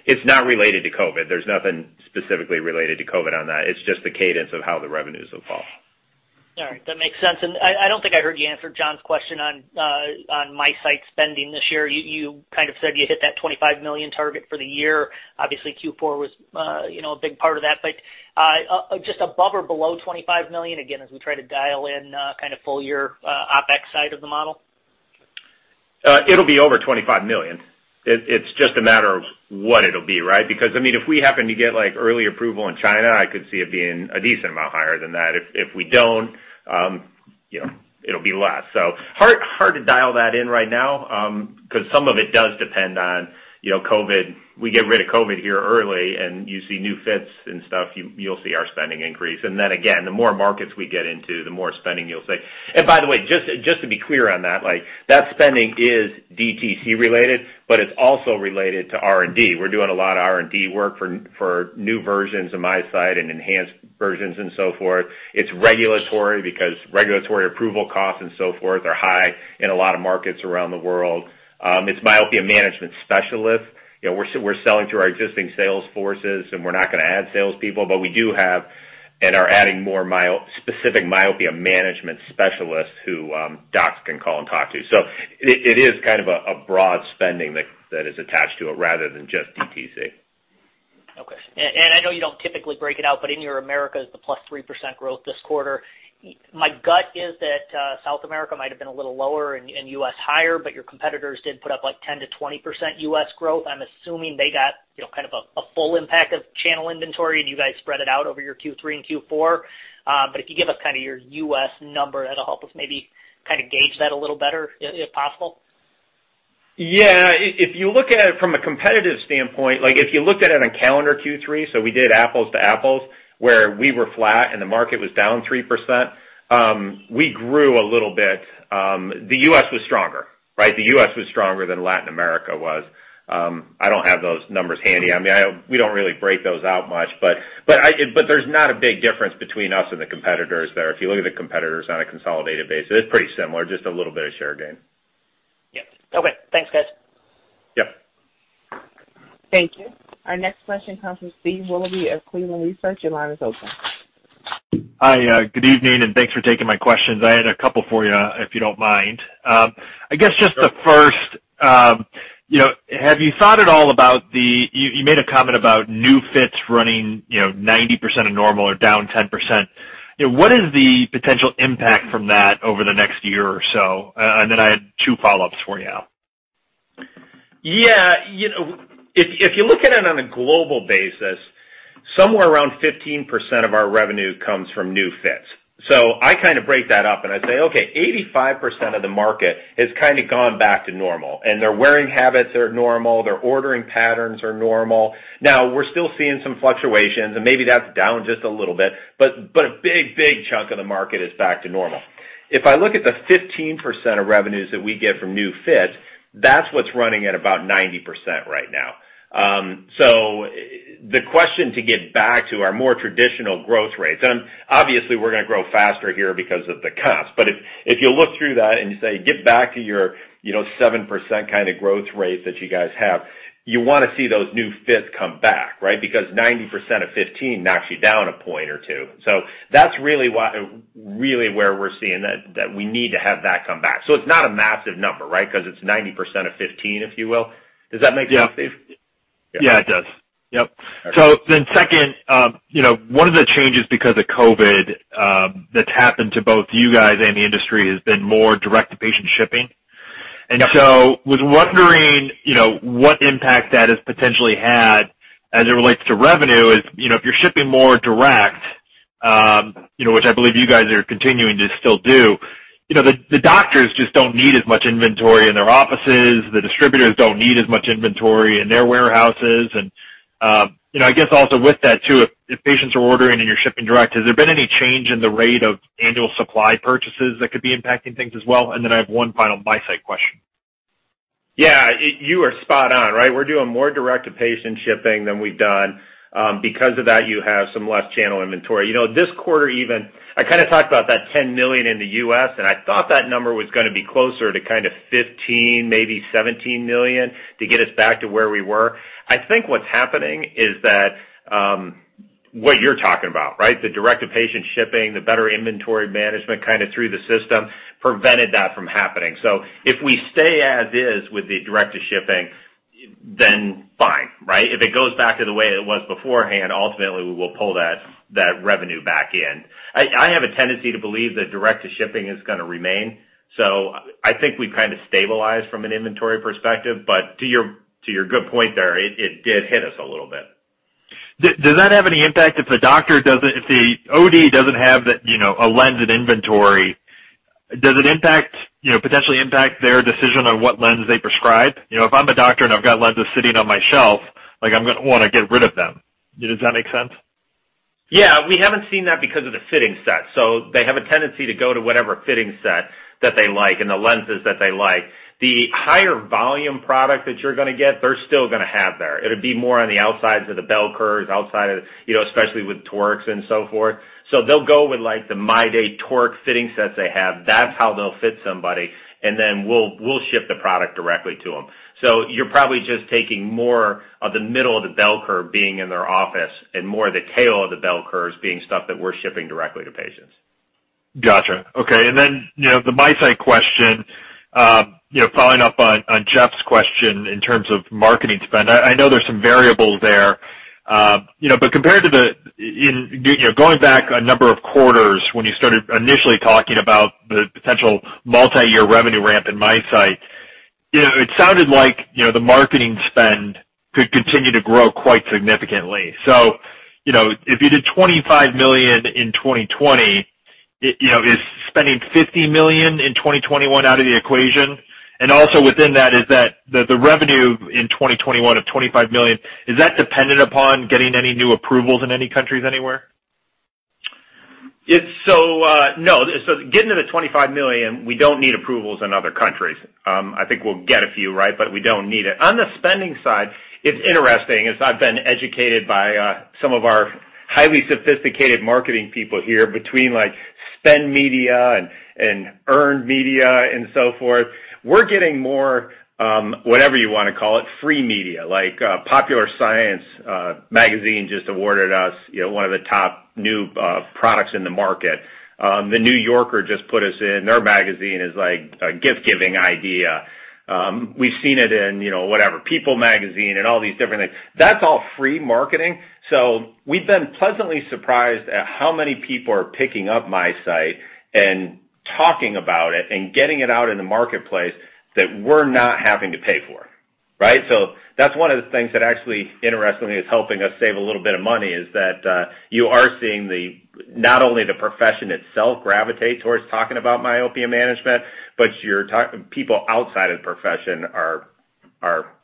It's not related to COVID. There's nothing specifically related to COVID on that. It's just the cadence of how the revenues will fall. All right. That makes sense. I don't think I heard you answer Jon's question on MiSight spending this year. You kind of said you hit that $25 million target for the year. Obviously Q4 was a big part of that, but just above or below $25 million, again, as we try to dial in kind of full year OpEx side of the model? It'll be over $25 million. It's just a matter of what it'll be, right? If we happen to get early approval in China, I could see it being a decent amount higher than that. If we don't, it'll be less. Hard to dial that in right now, because some of it does depend on COVID. We get rid of COVID here early, and you see new fits and stuff, you'll see our spending increase. Again, the more markets we get into, the more spending you'll see. By the way, just to be clear on that spending is DTC related, but it's also related to R&D. We're doing a lot of R&D work for new versions of MiSight and enhanced versions and so forth. It's regulatory because regulatory approval costs and so forth are high in a lot of markets around the world. It's myopia management specialists. We're selling through our existing sales forces, and we're not going to add sales people, but we do have and are adding more specific myopia management specialists who docs can call and talk to. It is kind of a broad spending that is attached to it rather than just DTC. I know you don't typically break it out, but in your Americas, the plus 3% growth this quarter, my gut is that South America might have been a little lower and U.S. higher, but your competitors did put up like 10%-20% U.S. growth. I'm assuming they got kind of a full impact of channel inventory and you guys spread it out over your Q3 and Q4. If you give us kind of your U.S. number, that'll help us maybe kind of gauge that a little better, if possible. Yeah. If you look at it from a competitive standpoint, if you looked at it on calendar Q3, so we did apples to apples, where we were flat and the market was down 3%, we grew a little bit. The U.S. was stronger, right? The U.S. was stronger than Latin America was. I don't have those numbers handy. We don't really break those out much, but there's not a big difference between us and the competitors there. If you look at the competitors on a consolidated basis, it's pretty similar, just a little bit of share gain. Yep. Okay. Thanks, guys. Yep. Thank you. Our next question comes from Steve Willoughby of Cleveland Research. Your line is open. Hi, good evening, thanks for taking my questions. I had a couple for you, if you don't mind. I guess just the first, have you thought at all about You made a comment about new fits running 90% of normal or down 10%. What is the potential impact from that over the next year or so? I had two follow-ups for you. Yeah. If you look at it on a global basis, somewhere around 15% of our revenue comes from new fits. I kind of break that up and I say, okay, 85% of the market has kind of gone back to normal, and their wearing habits are normal, their ordering patterns are normal. Now, we're still seeing some fluctuations, and maybe that's down just a little bit, but a big chunk of the market is back to normal. If I look at the 15% of revenues that we get from new fits, that's what's running at about 90% right now. The question to get back to our more traditional growth rates, and obviously we're going to grow faster here because of the cusp, if you look through that and you say, get back to your 7% kind of growth rate that you guys have, you want to see those new fits come back, right? Because 90% of 15 knocks you down a point or two. That's really where we're seeing that we need to have that come back. It's not a massive number, right? Because it's 90% of 15, if you will. Does that make sense, Steve? Yeah, it does. Yep. Okay. Second, one of the changes because of COVID that's happened to both you guys and the industry has been more direct-to-patient shipping. Yep. Was wondering what impact that has potentially had as it relates to revenue is, if you're shipping more direct, which I believe you guys are continuing to still do, the doctors just don't need as much inventory in their offices. The distributors don't need as much inventory in their warehouses. I guess also with that, too, if patients are ordering and you're shipping direct, has there been any change in the rate of annual supply purchases that could be impacting things as well? Then I have one final MiSight question. Yeah, you are spot on, right? We're doing more direct-to-patient shipping than we've done. Because of that, you have some less channel inventory. This quarter even, I kind of talked about that $10 million in the U.S., and I thought that number was going to be closer to kind of $15 million, maybe $17 million, to get us back to where we were. I think what's happening is that what you're talking about, right? The direct-to-patient shipping, the better inventory management kind of through the system prevented that from happening. If we stay as is with the direct-to-shipping, then fine, right? If it goes back to the way it was beforehand, ultimately, we will pull that revenue back in. I have a tendency to believe that direct-to-shipping is going to remain. I think we've kind of stabilized from an inventory perspective. To your good point there, it did hit us a little bit. Does that have any impact if the OD doesn't have a lensed inventory, does it potentially impact their decision on what lens they prescribe? If I'm a doctor and I've got lenses sitting on my shelf, like I'm going to want to get rid of them. Does that make sense? Yeah. We haven't seen that because of the fitting set. They have a tendency to go to whatever fitting set that they like and the lenses that they like. The higher volume product that you're going to get, they're still going to have there. It'll be more on the outsides of the bell curves, especially with torics and so forth. They'll go with the MyDay toric fitting sets they have. That's how they'll fit somebody, and then we'll ship the product directly to them. You're probably just taking more of the middle of the bell curve being in their office, and more of the tail of the bell curves being stuff that we're shipping directly to patients. Got you. Okay. The MiSight question, following up on Jeff's question in terms of marketing spend, I know there's some variables there, but going back a number of quarters when you started initially talking about the potential multi-year revenue ramp in MiSight, it sounded like the marketing spend could continue to grow quite significantly. If you did $25 million in 2020, is spending $50 million in 2021 out of the equation? Within that, is the revenue in 2021 of $25 million, is that dependent upon getting any new approvals in any countries anywhere? No. Getting to the $25 million, we don't need approvals in other countries. I think we'll get a few, right? We don't need it. On the spending side, it's interesting, as I've been educated by some of our highly sophisticated marketing people here between spend media and earned media and so forth. We're getting more, whatever you want to call it, free media. Like Popular Science magazine just awarded us one of the top new products in the market. The New Yorker just put us in their magazine as like a gift-giving idea. We've seen it in, whatever, People magazine and all these different things. That's all free marketing. We've been pleasantly surprised at how many people are picking up MiSight and talking about it and getting it out in the marketplace that we're not having to pay for. Right? That's one of the things that actually, interestingly, is helping us save a little bit of money, is that you are seeing not only the profession itself gravitate towards talking about myopia management, but people outside of the profession are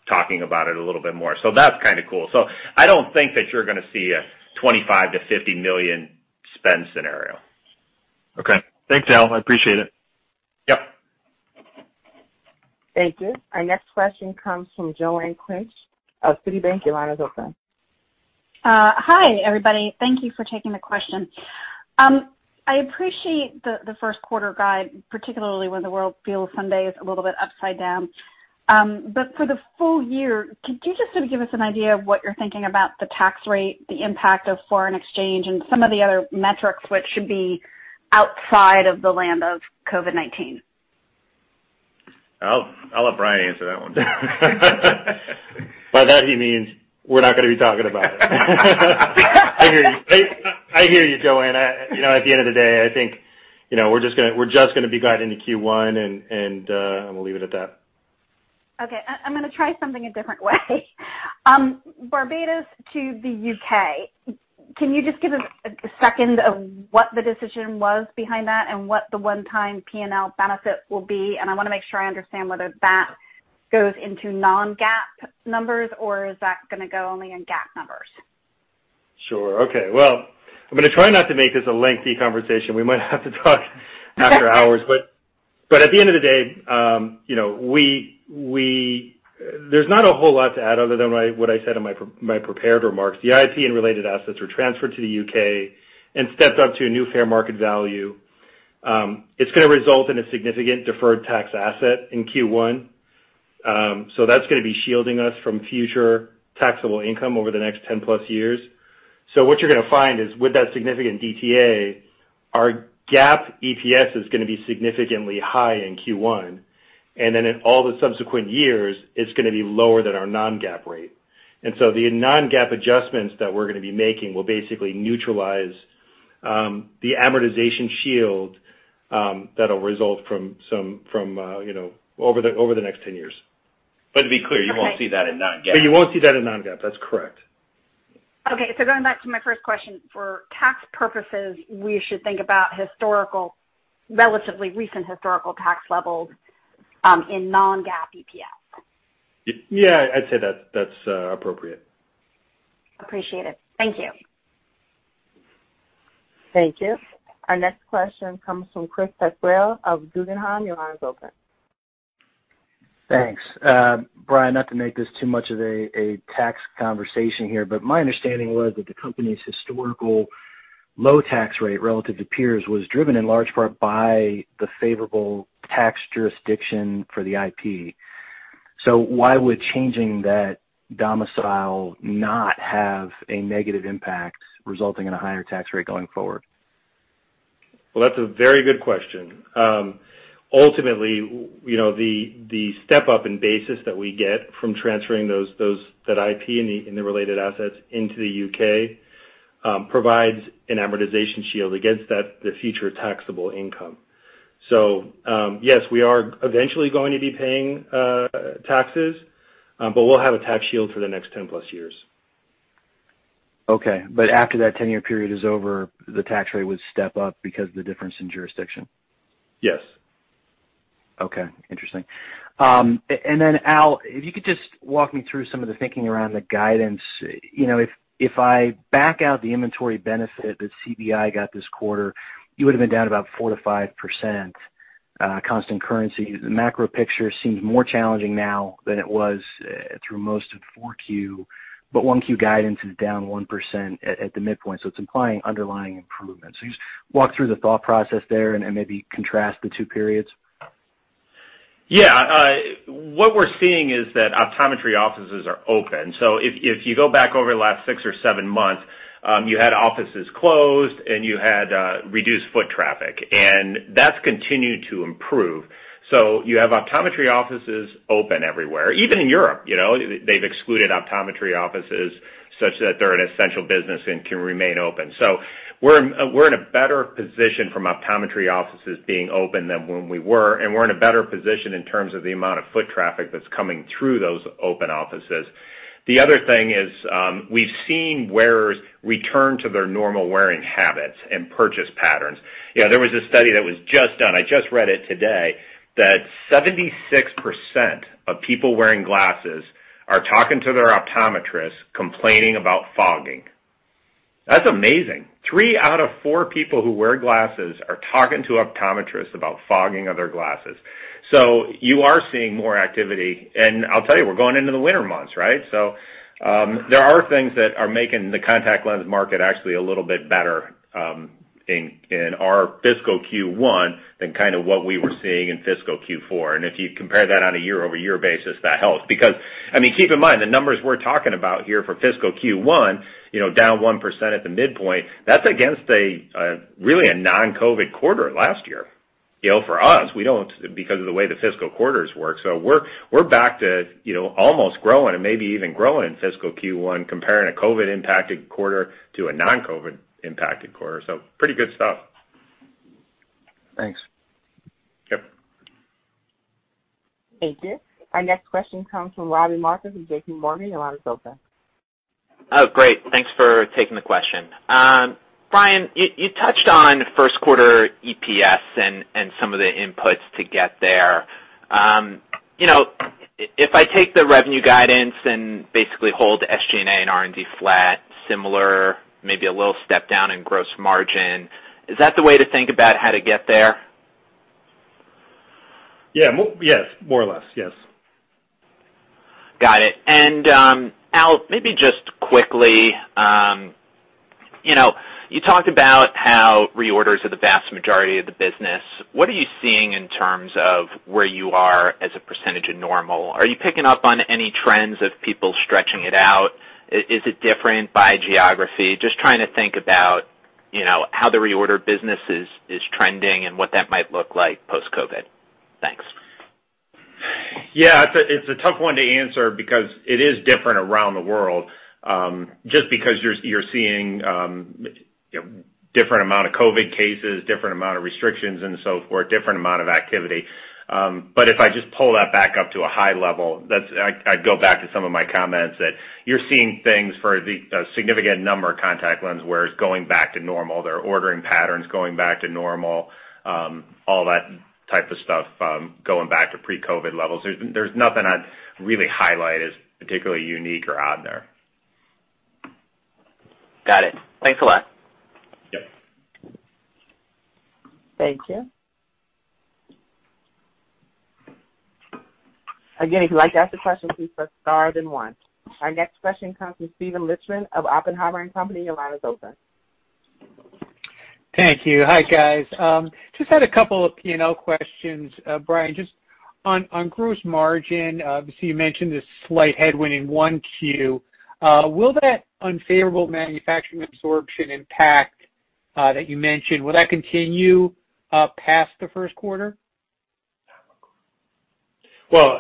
talking about it a little bit more. That's kind of cool. I don't think that you're going to see a $25 million-$50 million spend scenario. Okay. Thanks, Al. I appreciate it. Yep. Thank you. Our next question comes from Joanne Wuensch of Citibank. Your line is open. Hi, everybody. Thank you for taking the question. I appreciate the first quarter guide, particularly when the world feels, some days, a little bit upside down. For the full year, could you just sort of give us an idea of what you're thinking about the tax rate, the impact of foreign exchange, and some of the other metrics which should be outside of the land of COVID-19? I'll let Brian answer that one. By that he means we're not going to be talking about it. I hear you. I hear you, Joanne. At the end of the day, I think, we're just going to be guiding to Q1, and we'll leave it at that. Okay. I'm going to try something a different way. Barbados to the U.K., can you just give a second of what the decision was behind that and what the one-time P&L benefit will be? I want to make sure I understand whether that goes into non-GAAP numbers or is that going to go only in GAAP numbers? Sure. Okay. Well, I'm going to try not to make this a lengthy conversation. We might have to talk after hours. At the end of the day, there's not a whole lot to add other than what I said in my prepared remarks. The IP and related assets were transferred to the U.K. and stepped up to a new fair market value. It's going to result in a significant deferred tax asset in Q1. That's going to be shielding us from future taxable income over the next 10+ years. What you're going to find is with that significant DTA, our GAAP EPS is going to be significantly high in Q1, and then in all the subsequent years, it's going to be lower than our non-GAAP rate. The non-GAAP adjustments that we're going to be making will basically neutralize the amortization shield that'll result over the next 10 years. To be clear, you won't see that in non-GAAP. You won't see that in non-GAAP. That's correct. Okay. Going back to my first question, for tax purposes, we should think about relatively recent historical tax levels in non-GAAP EPS. Yeah, I'd say that's appropriate. Appreciate it. Thank you. Thank you. Our next question comes from Chris Pasquale of Guggenheim. Your line is open. Thanks. Brian, not to make this too much of a tax conversation here, my understanding was that the company's historical low tax rate relative to peers was driven in large part by the favorable tax jurisdiction for the IP. Why would changing that domicile not have a negative impact resulting in a higher tax rate going forward? Well, that's a very good question. Ultimately, the step-up in basis that we get from transferring that IP and the related assets into the U.K. provides an amortization shield against the future taxable income. Yes, we are eventually going to be paying taxes, but we'll have a tax shield for the next 10+ years. Okay. After that 10-year period is over, the tax rate would step up because of the difference in jurisdiction? Yes. Okay. Interesting. Al, if you could just walk me through some of the thinking around the guidance? If I back out the inventory benefit that CVI got this quarter, you would've been down about 4%-5% constant currency. The macro picture seems more challenging now than it was through most of 4Q, but 1Q guidance is down 1% at the midpoint, so it's implying underlying improvement. Can you just walk through the thought process there and maybe contrast the two periods? Yeah. What we're seeing is that optometry offices are open. If you go back over the last six or seven months, you had offices closed, and you had reduced foot traffic, and that's continued to improve. You have optometry offices open everywhere, even in Europe. They've excluded optometry offices such that they're an essential business and can remain open. We're in a better position from optometry offices being open than when we were, and we're in a better position in terms of the amount of foot traffic that's coming through those open offices. The other thing is, we've seen wearers return to their normal wearing habits and purchase patterns. There was a study that was just done, I just read it today, that 76% of people wearing glasses are talking to their optometrists complaining about fogging. That's amazing. Three out of four people who wear glasses are talking to optometrists about fogging of their glasses. You are seeing more activity. I'll tell you, we're going into the winter months, right? There are things that are making the contact lens market actually a little bit better in our fiscal Q1 than kind of what we were seeing in fiscal Q4. If you compare that on a year-over-year basis, that helps. Keep in mind, the numbers we're talking about here for fiscal Q1, down 1% at the midpoint, that's against really a non-COVID quarter last year. For us, we don't because of the way the fiscal quarters work. We're back to almost growing and maybe even growing in fiscal Q1, comparing a COVID-impacted quarter to a non-COVID impacted quarter. Pretty good stuff. Thanks. Yep. Thank you. Our next question comes from Robbie Marcus with JPMorgan. Your line is open. Oh, great. Thanks for taking the question. Brian, you touched on first quarter EPS and some of the inputs to get there. If I take the revenue guidance and basically hold SG&A and R&D flat, similar, maybe a little step down in gross margin, is that the way to think about how to get there? Yes. More or less, yes. Got it. Al, maybe just quickly, you talked about how reorders are the vast majority of the business. What are you seeing in terms of where you are as a percentage of normal? Are you picking up on any trends of people stretching it out? Is it different by geography? Just trying to think about how the reorder business is trending and what that might look like post-COVID. Thanks. Yeah. It's a tough one to answer because it is different around the world, just because you're seeing different amount of COVID cases, different amount of restrictions and so forth, different amount of activity. If I just pull that back up to a high level, I'd go back to some of my comments that you're seeing things for a significant number of contact lens wearers going back to normal. Their ordering patterns going back to normal, all that type of stuff, going back to pre-COVID levels. There's nothing I'd really highlight as particularly unique or odd there. Got it. Thanks a lot. Yep. Thank you. Again, if you'd like to ask a question, please press star then one. Our next question comes from Steven Lichtman of Oppenheimer & Co. Your line is open. Thank you. Hi, guys. Just had a couple of P&L questions. Brian, just on gross margin, obviously you mentioned this slight headwind in 1Q. Will that unfavorable manufacturing absorption impact that you mentioned, will that continue past the first quarter? Well,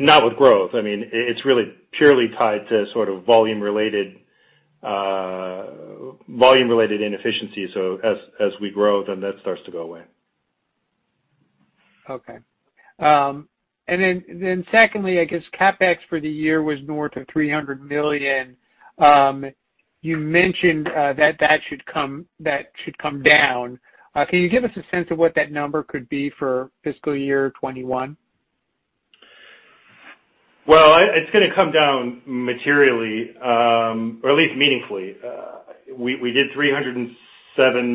not with growth. It's really purely tied to volume-related inefficiencies. As we grow, that starts to go away. Okay. Secondly, I guess CapEx for the year was north of $300 million. You mentioned that should come down. Can you give us a sense of what that number could be for fiscal year 2021? Well, it's going to come down materially, or at least meaningfully. We did $307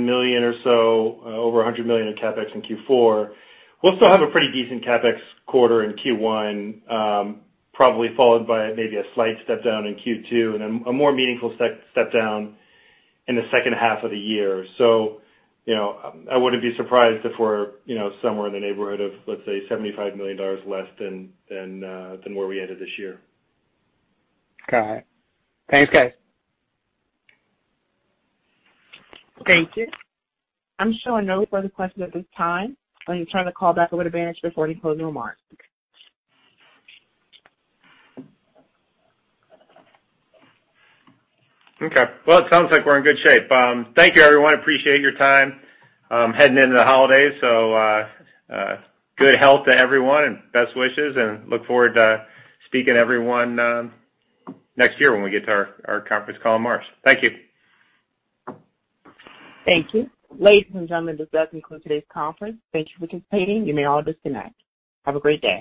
million or so, over $100 million in CapEx in Q4. We'll still have a pretty decent CapEx quarter in Q1, probably followed by maybe a slight step down in Q2 and a more meaningful step down in the second half of the year. I wouldn't be surprised if we're somewhere in the neighborhood of, let's say, $75 million less than where we ended this year. Got it. Thanks, guys. Thank you. I am showing no further questions at this time. I am going to turn the call back over to management for any closing remarks. Okay. Well, it sounds like we are in good shape. Thank you everyone, appreciate your time. Heading into the holidays, good health to everyone and best wishes, and look forward to speaking to everyone next year when we get to our conference call in March. Thank you. Thank you. Ladies and gentlemen, this does conclude today's conference. Thank you for participating. You may all disconnect. Have a great day.